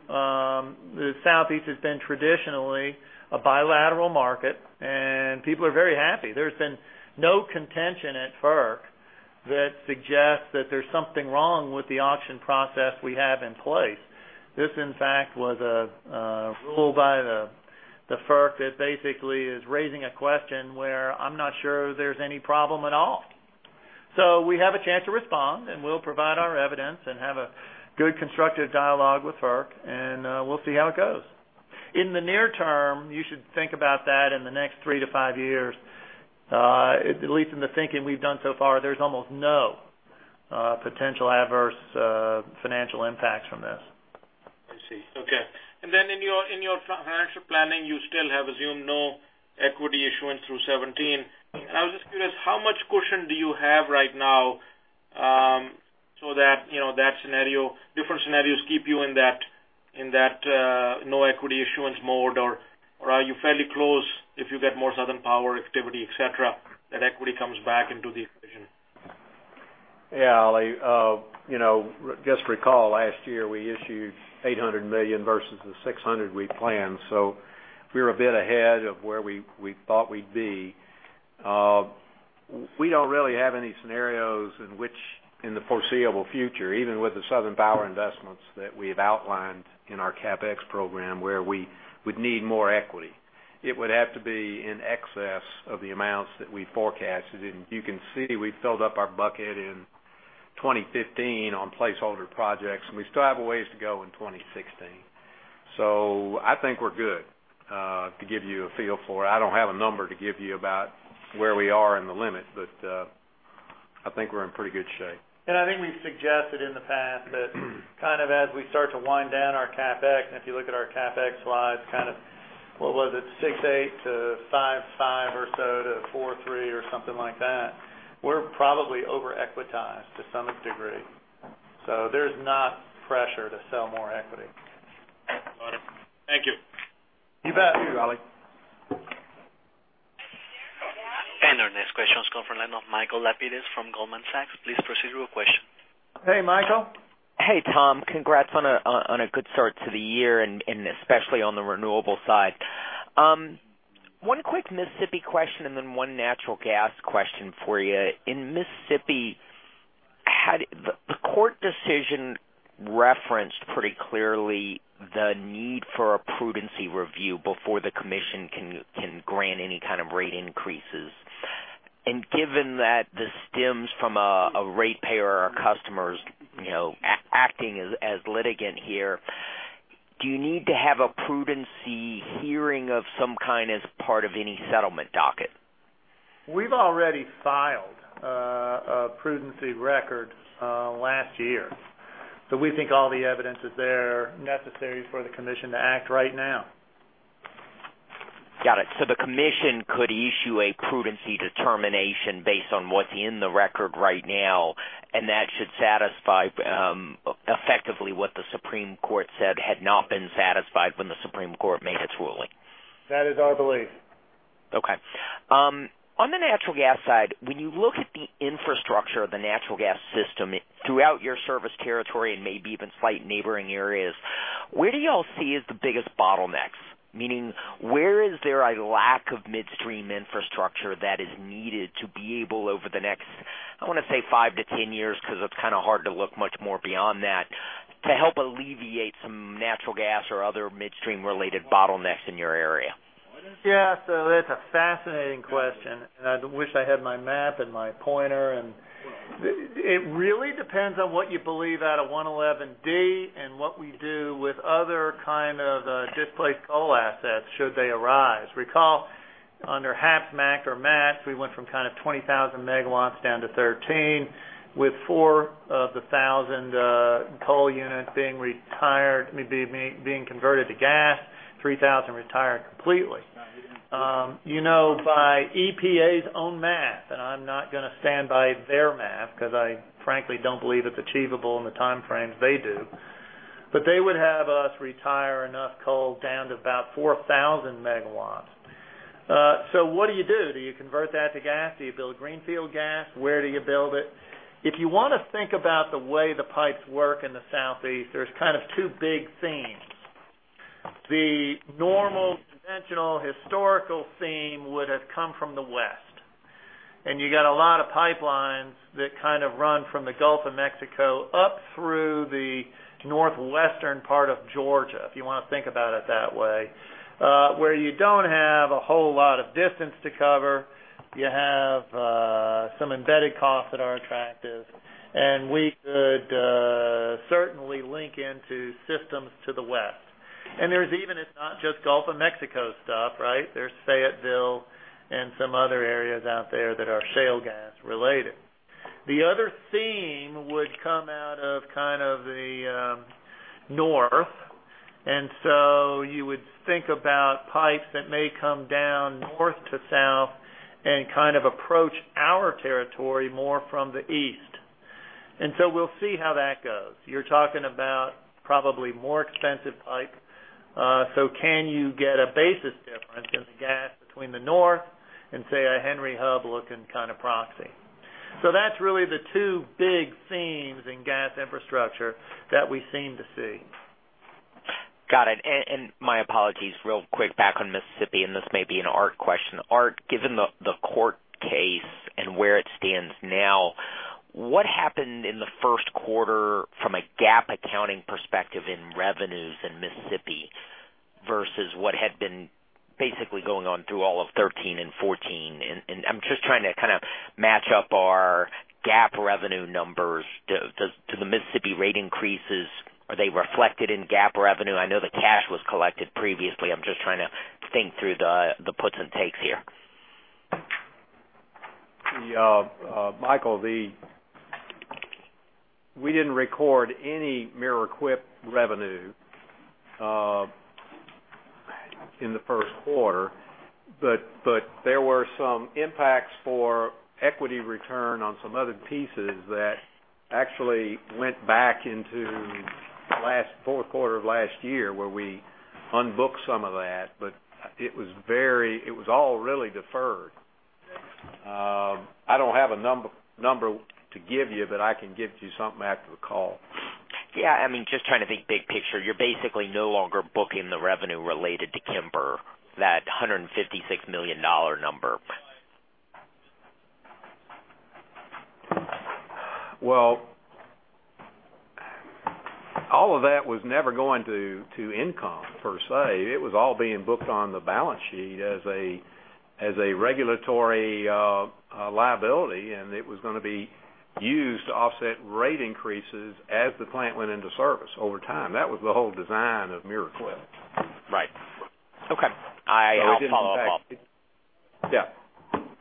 the Southeast has been traditionally a bilateral market, and people are very happy. There's been no contention at FERC that suggests that there's something wrong with the auction process we have in place. This, in fact, was a rule by the FERC that basically is raising a question where I'm not sure there's any problem at all. We have a chance to respond, and we'll provide our evidence and have a good constructive dialogue with FERC, and we'll see how it goes. In the near term, you should think about that in the next three to five years. At least in the thinking we've done so far, there's almost no potential adverse financial impacts from this. I see. Okay. In your financial planning, you still have assumed no equity issuance through 2017. I was just curious, how much cushion do you have right now, so that different scenarios keep you in that no equity issuance mode? Or are you fairly close if you get more Southern Power activity, et cetera, that equity comes back into the equation? Yeah, Ali. Just recall last year, we issued $800 million versus the $600 million we planned. We're a bit ahead of where we thought we'd be. We don't really have any scenarios in which, in the foreseeable future, even with the Southern Power investments that we have outlined in our CapEx program, where we would need more equity. It would have to be in excess of the amounts that we forecasted. You can see we filled up our bucket in 2015 on placeholder projects, and we still have a ways to go in 2016. I think we're good, to give you a feel for it. I don't have a number to give you about where we are in the limit, but I think we're in pretty good shape. I think we've suggested in the past that kind of as we start to wind down our CapEx, and if you look at our CapEx slides, kind of, what was it? $6.8 billion to $5.5 billion or so to $4.3 billion or something like that. We're probably over-equitized to some degree. There's not pressure to sell more equity. Got it. Thank you. You bet. Thank you, Ali. Our next question is coming from the line of Michael Lapides from Goldman Sachs. Please proceed with your question. Hey, Michael. Hey, Tom. Congrats on a good start to the year and especially on the renewable side. One quick Mississippi question and then one natural gas question for you. In Mississippi, the court decision referenced pretty clearly the need for a prudency review before the Commission can grant any kind of rate increases. Given that this stems from a ratepayer or customer acting as litigant here, do you need to have a prudency hearing of some kind as part of any settlement docket? We've already filed a prudency record last year. We think all the evidence is there necessary for the Commission to act right now. Got it. The Commission could issue a prudency determination based on what's in the record right now, and that should satisfy effectively what the Supreme Court said had not been satisfied when the Supreme Court made its ruling. That is our belief. Okay. On the natural gas side, when you look at the infrastructure of the natural gas system throughout your service territory and maybe even slight neighboring areas, where do you all see is the biggest bottlenecks? Meaning, where is there a lack of midstream infrastructure that is needed to be able over the next, I want to say 5-10 years, because it's kind of hard to look much more beyond that, to help alleviate some natural gas or other midstream-related bottlenecks in your area? Yeah. That's a fascinating question. I wish I had my map and my pointer. It really depends on what you believe out of 111D and what we do with other kind of displaced coal assets should they arise. Recall under HAP, MACT or MATS, we went from kind of 20,000 megawatts down to 13,000, with 4,000 coal units being converted to gas, 3,000 retired completely. By EPA's own math, I'm not going to stand by their math because I frankly don't believe it's achievable in the time frames they do, but they would have us retire enough coal down to about 4,000 megawatts. What do you do? Do you convert that to gas? Do you build greenfield gas? Where do you build it? If you want to think about the way the pipes work in the Southeast, there's kind of two big themes. The normal conventional historical theme would have come from the West. You got a lot of pipelines that kind of run from the Gulf of Mexico up through the northwestern part of Georgia, if you want to think about it that way, where you don't have a whole lot of distance to cover. You have some embedded costs that are attractive, and we could certainly link into systems to the West. It's not just Gulf of Mexico stuff, right? There's Fayetteville and some other areas out there that are shale gas related. The other theme would come out of the north. You would think about pipes that may come down north to south and kind of approach our territory more from the east. We'll see how that goes. You're talking about probably more expensive pipe. Can you get a basis difference in the gas between the north and say a Henry Hub looking kind of proxy. That's really the two big themes in gas infrastructure that we seem to see. Got it. My apologies real quick back on Mississippi. This may be an Art question. Art, given the court case and where it stands now, what happened in the first quarter from a GAAP accounting perspective in revenues in Mississippi versus what had been basically going on through all of 2013 and 2014? I'm just trying to kind of match up our GAAP revenue numbers to the Mississippi rate increases. Are they reflected in GAAP revenue? I know the cash was collected previously. I'm just trying to think through the puts and takes here. Michael, we didn't record any revenue in the first quarter. There were some impacts for equity return on some other pieces that actually went back into last fourth quarter of last year, where we unbooked some of that. It was all really deferred. I don't have a number to give you, but I can get you something after the call. Yeah. I mean, just trying to think big picture. You're basically no longer booking the revenue related to Kemper, that $156 million number. Well, all of that was never going to income per se. It was all being booked on the balance sheet as a regulatory liability. It was going to be used to offset rate increases as the plant went into service over time. That was the whole design of. Right. Okay. It didn't impact it. I'll follow up. Yeah.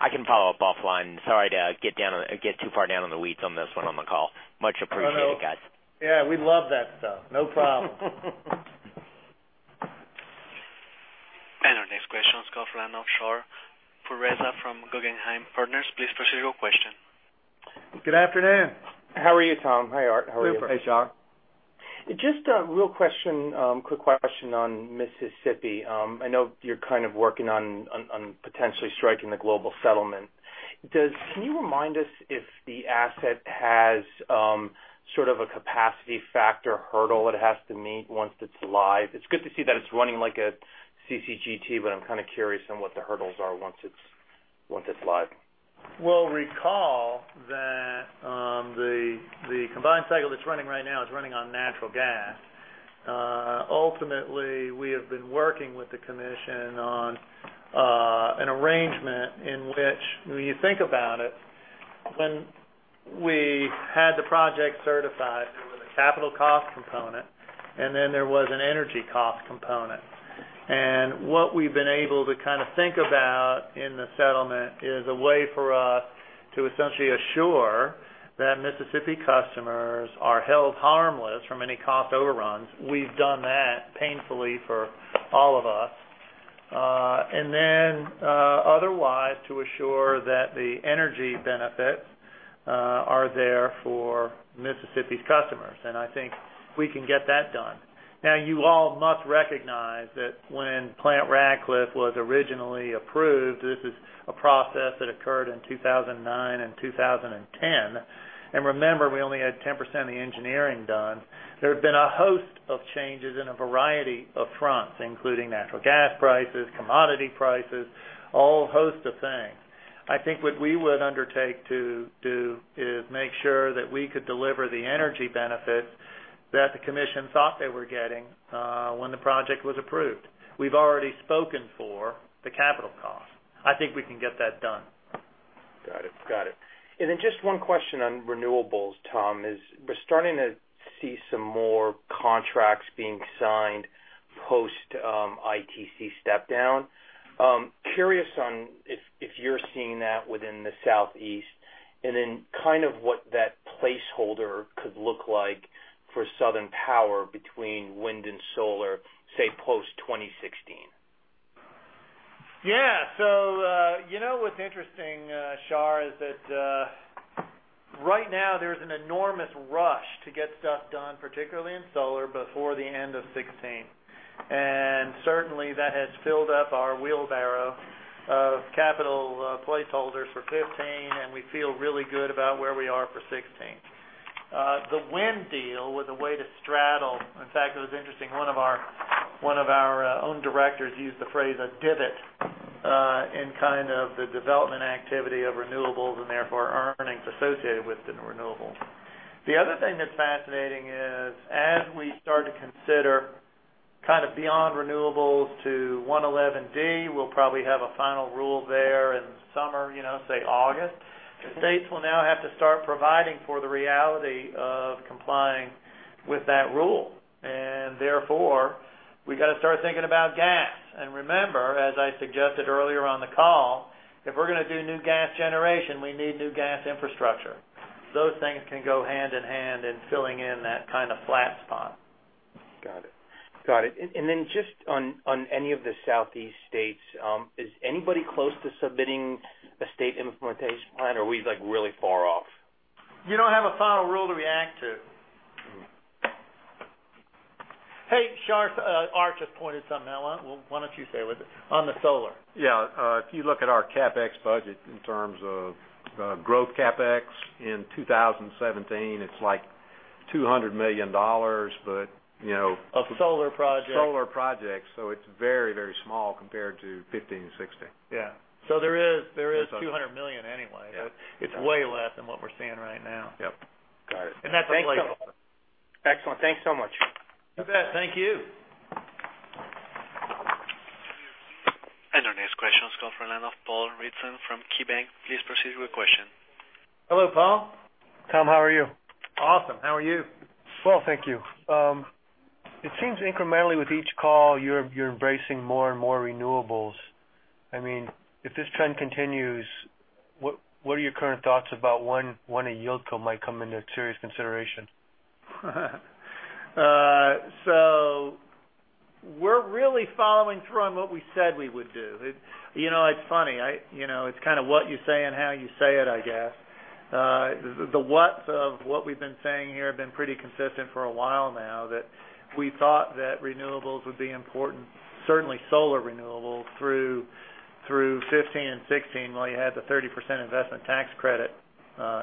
I can follow up offline. Sorry to get too far down on the weeds on this one on the call. Much appreciated, guys. Yeah, we love that stuff. No problem. Our next question comes from the line of Shahriar Pourreza from Guggenheim Partners. Please proceed with your question. Good afternoon. How are you, Tom? Hi, Art. How are you? Super. Hey, Shar. A real question, quick question on Mississippi. I know you're kind of working on potentially striking the global settlement. Can you remind us if the asset has sort of a capacity factor hurdle it has to meet once it's live? It's good to see that it's running like a CCGT, I'm kind of curious on what the hurdles are once it's live. Recall that the combined cycle that's running right now is running on natural gas. Ultimately, we have been working with the commission on an arrangement in which when you think about it, when we had the project certified, there was a capital cost component, then there was an energy cost component. What we've been able to kind of think about in the settlement is a way for us to essentially assure that Mississippi customers are held harmless from any cost overruns. We've done that painfully for all of us. Then, otherwise, to assure that the energy benefits are there for Mississippi's customers. I think we can get that done. You all must recognize that when Plant Ratcliffe was originally approved, this is a process that occurred in 2009 and 2010. Remember, we only had 10% of the engineering done. There have been a host of changes in a variety of fronts, including natural gas prices, commodity prices, all host of things. I think what we would undertake to do is make sure that we could deliver the energy benefits that the commission thought they were getting when the project was approved. We've already spoken for the capital cost. I think we can get that done. Got it. Then just one question on renewables, Tom, is we're starting to see some more contracts being signed post ITC step down. Curious on if you're seeing that within the Southeast then kind of what that placeholder could look like for Southern Power between wind and solar, say post 2016. What's interesting, Shar, is that right now there's an enormous rush to get stuff done, particularly in solar, before the end of 2016. Certainly, that has filled up our wheelbarrow of capital placeholders for 2015, and we feel really good about where we are for 2016. The wind deal was a way to straddle. In fact, it was interesting, one of our own directors used the phrase a divot in kind of the development activity of renewables and therefore earnings associated with the renewables. The other thing that's fascinating is as we start to consider kind of beyond renewables to 111D, we'll probably have a final rule there in summer, say August. States will now have to start providing for the reality of complying with that rule. We've got to start thinking about gas. Remember, as I suggested earlier on the call, if we're going to do new gas generation, we need new gas infrastructure. Those things can go hand in hand in filling in that kind of flat spot. Got it. Then just on any of the Southeast states, is anybody close to submitting a state implementation plan, or are we really far off? You don't have a final rule to react to. Hey, Art just pointed something out. Why don't you stay with it, on the solar. Yeah. If you look at our CapEx budget in terms of growth CapEx in 2017, it's like $200 million. Of solar projects. Solar projects. It's very, very small compared to 2015 and 2016. Yeah. There is $200 million anyway. Yeah. It's way less than what we're seeing right now. Yep. Got it. Thank you. That's a placeholder. Excellent. Thanks so much. You bet. Thank you. Our next question is coming from the line of Paul Ridzon from KeyBanc. Please proceed with question. Hello, Paul. Tom, how are you? Awesome. How are you? Well, thank you. It seems incrementally with each call, you're embracing more and more renewables. If this trend continues, what are your current thoughts about when a yieldco might come into serious consideration? We're really following through on what we said we would do. It's funny. It's what you say and how you say it, I guess. The what's of what we've been saying here have been pretty consistent for a while now, that we thought that renewables would be important, certainly solar renewables through 2015 and 2016, while you had the 30% investment tax credit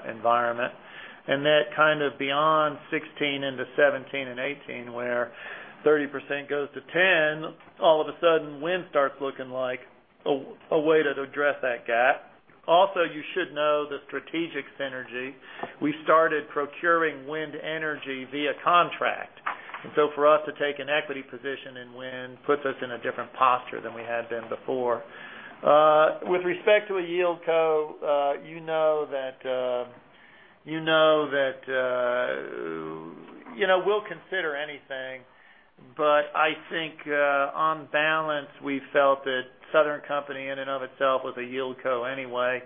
environment. That kind of beyond 2016 into 2017 and 2018, where 30% goes to 10%, all of a sudden wind starts looking like a way to address that gap. You should know the strategic synergy. We started procuring wind energy via contract, for us to take an equity position in wind puts us in a different posture than we had been before. With respect to a yieldco, we'll consider anything, but I think, on balance, we felt that Southern Company in and of itself was a yieldco anyway.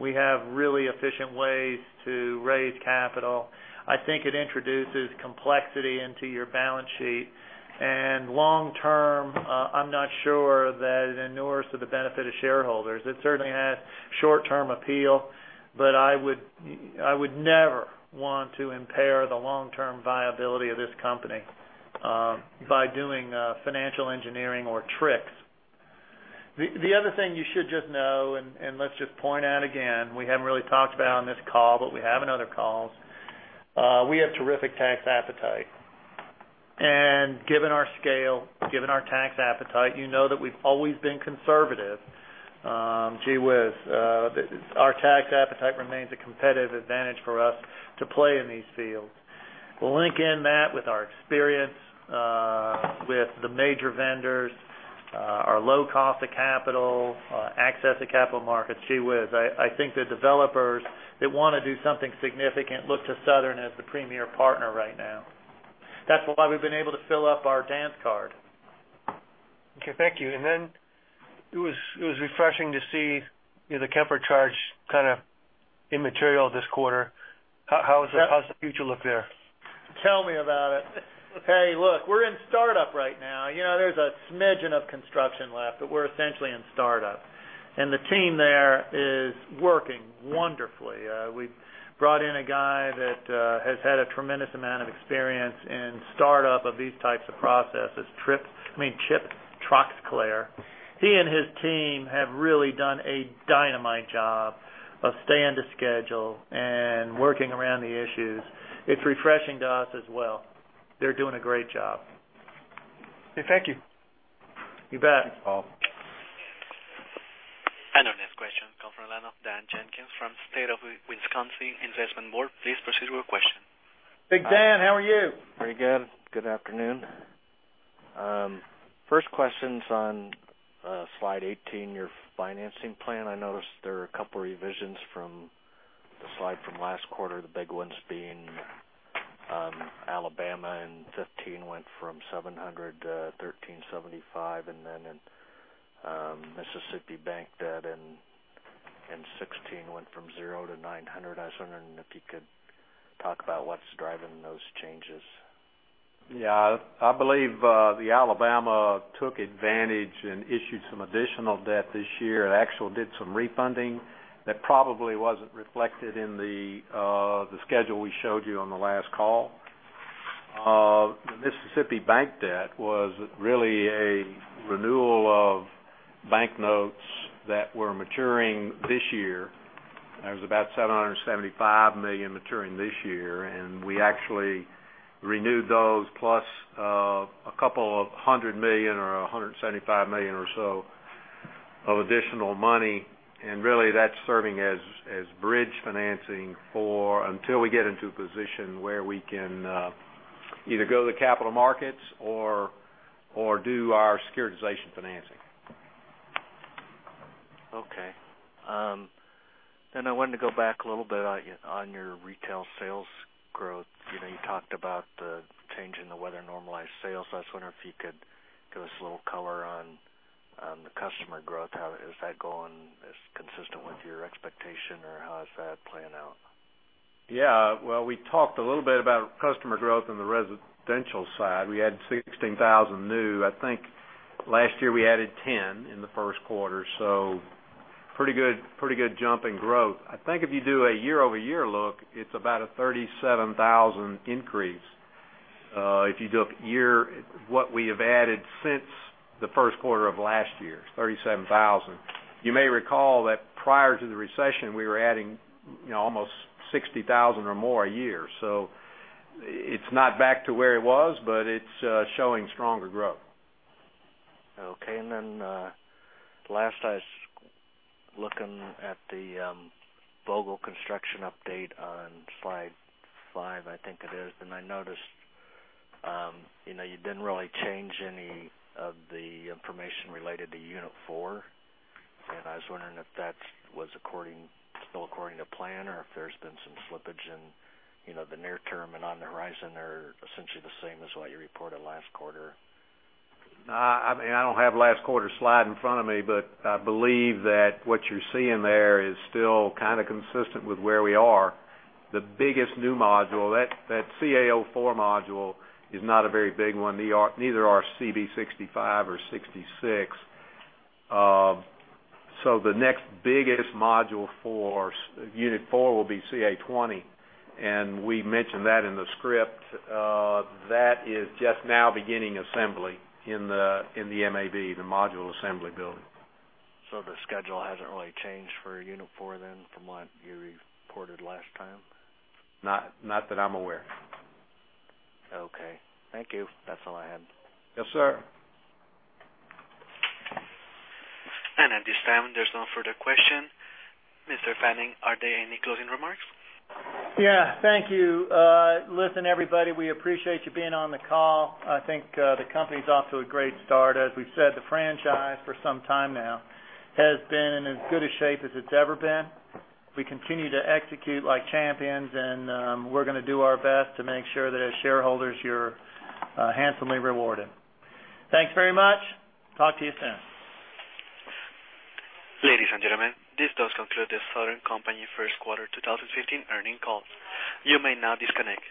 We have really efficient ways to raise capital. I think it introduces complexity into your balance sheet, and long term, I'm not sure that it inures to the benefit of shareholders. It certainly has short-term appeal, but I would never want to impair the long-term viability of this company by doing financial engineering or tricks. The other thing you should just know, let's just point out again, we haven't really talked about on this call, but we have in other calls. We have terrific tax appetite. Given our scale, given our tax appetite, you know that we've always been conservative. Gee whiz. Our tax appetite remains a competitive advantage for us to play in these fields. Link in that with our experience with the major vendors, our low cost of capital, access to capital markets. Gee whiz. I think the developers that want to do something significant look to Southern as the premier partner right now. That's why we've been able to fill up our dance card. Okay. Thank you. Then it was refreshing to see the Kemper charge kind of immaterial this quarter. How does the future look there? Tell me about it. Hey, look, we're in startup right now. There's a smidgen of construction left, but we're essentially in startup. The team there is working wonderfully. We brought in a guy that has had a tremendous amount of experience in startup of these types of processes, Chip Troxclair. He and his team have really done a dynamite job of staying to schedule and working around the issues. It's refreshing to us as well. They're doing a great job. Okay. Thank you. You bet. Thanks, Paul. Our next question comes from the line of Dan Jenkins from State of Wisconsin Investment Board. Please proceed with your question. Big Dan, how are you? Pretty good. Good afternoon. First question's on slide 18, your financing plan. I noticed there are a couple revisions from the slide from last quarter, the big ones being Alabama in 2015 went from $700 to $1,375, and then in Mississippi bank debt in 2016 went from 0 to $900. I was wondering if you could talk about what's driving those changes. Yeah. I believe Alabama took advantage and issued some additional debt this year. It actually did some refunding that probably wasn't reflected in the schedule we showed you on the last call. Mississippi bank debt was really a renewal of bank notes that were maturing this year. There was about $775 million maturing this year, and we actually renewed those plus a couple of hundred million or $175 million or so of additional money. Really, that's serving as bridge financing until we get into a position where we can either go to the capital markets or do our securitization financing. Okay. I wanted to go back a little bit on your retail sales growth. You talked about the change in the weather normalized sales. I was wondering if you could give us a little color on the customer growth. How is that going? Is it consistent with your expectation, or how is that playing out? Well, we talked a little bit about customer growth in the residential side. We added 16,000 new. I think last year we added 10,000 in the first quarter, pretty good jump in growth. I think if you do a year-over-year look, it's about a 37,000 increase. If you look what we have added since the first quarter of last year, 37,000. You may recall that prior to the recession, we were adding almost 60,000 or more a year. It's not back to where it was, but it's showing stronger growth. Last I was looking at the Vogtle construction update on slide five, I think it is, I noticed you didn't really change any of the information related to unit four. I was wondering if that was still according to plan or if there's been some slippage in the near term and on the horizon or essentially the same as what you reported last quarter. I don't have last quarter's slide in front of me, I believe that what you're seeing there is still kind of consistent with where we are. The biggest new module, that CA04 module is not a very big one. Neither are CB65 or 66. The next biggest module for unit four will be CA20, we mentioned that in the script. That is just now beginning assembly in the MAB, the module assembly building. The schedule hasn't really changed for unit four from what you reported last time? Not that I'm aware. Okay. Thank you. That's all I had. Yes, sir. At this time, there's no further question. Mr. Fanning, are there any closing remarks? Yeah. Thank you. Listen, everybody, we appreciate you being on the call. I think the company's off to a great start. As we've said, the franchise for some time now has been in as good a shape as it's ever been. If we continue to execute like champions, then we're going to do our best to make sure that as shareholders, you're handsomely rewarded. Thanks very much. Talk to you soon. Ladies and gentlemen, this does conclude The Southern Company first quarter 2015 earnings call. You may now disconnect.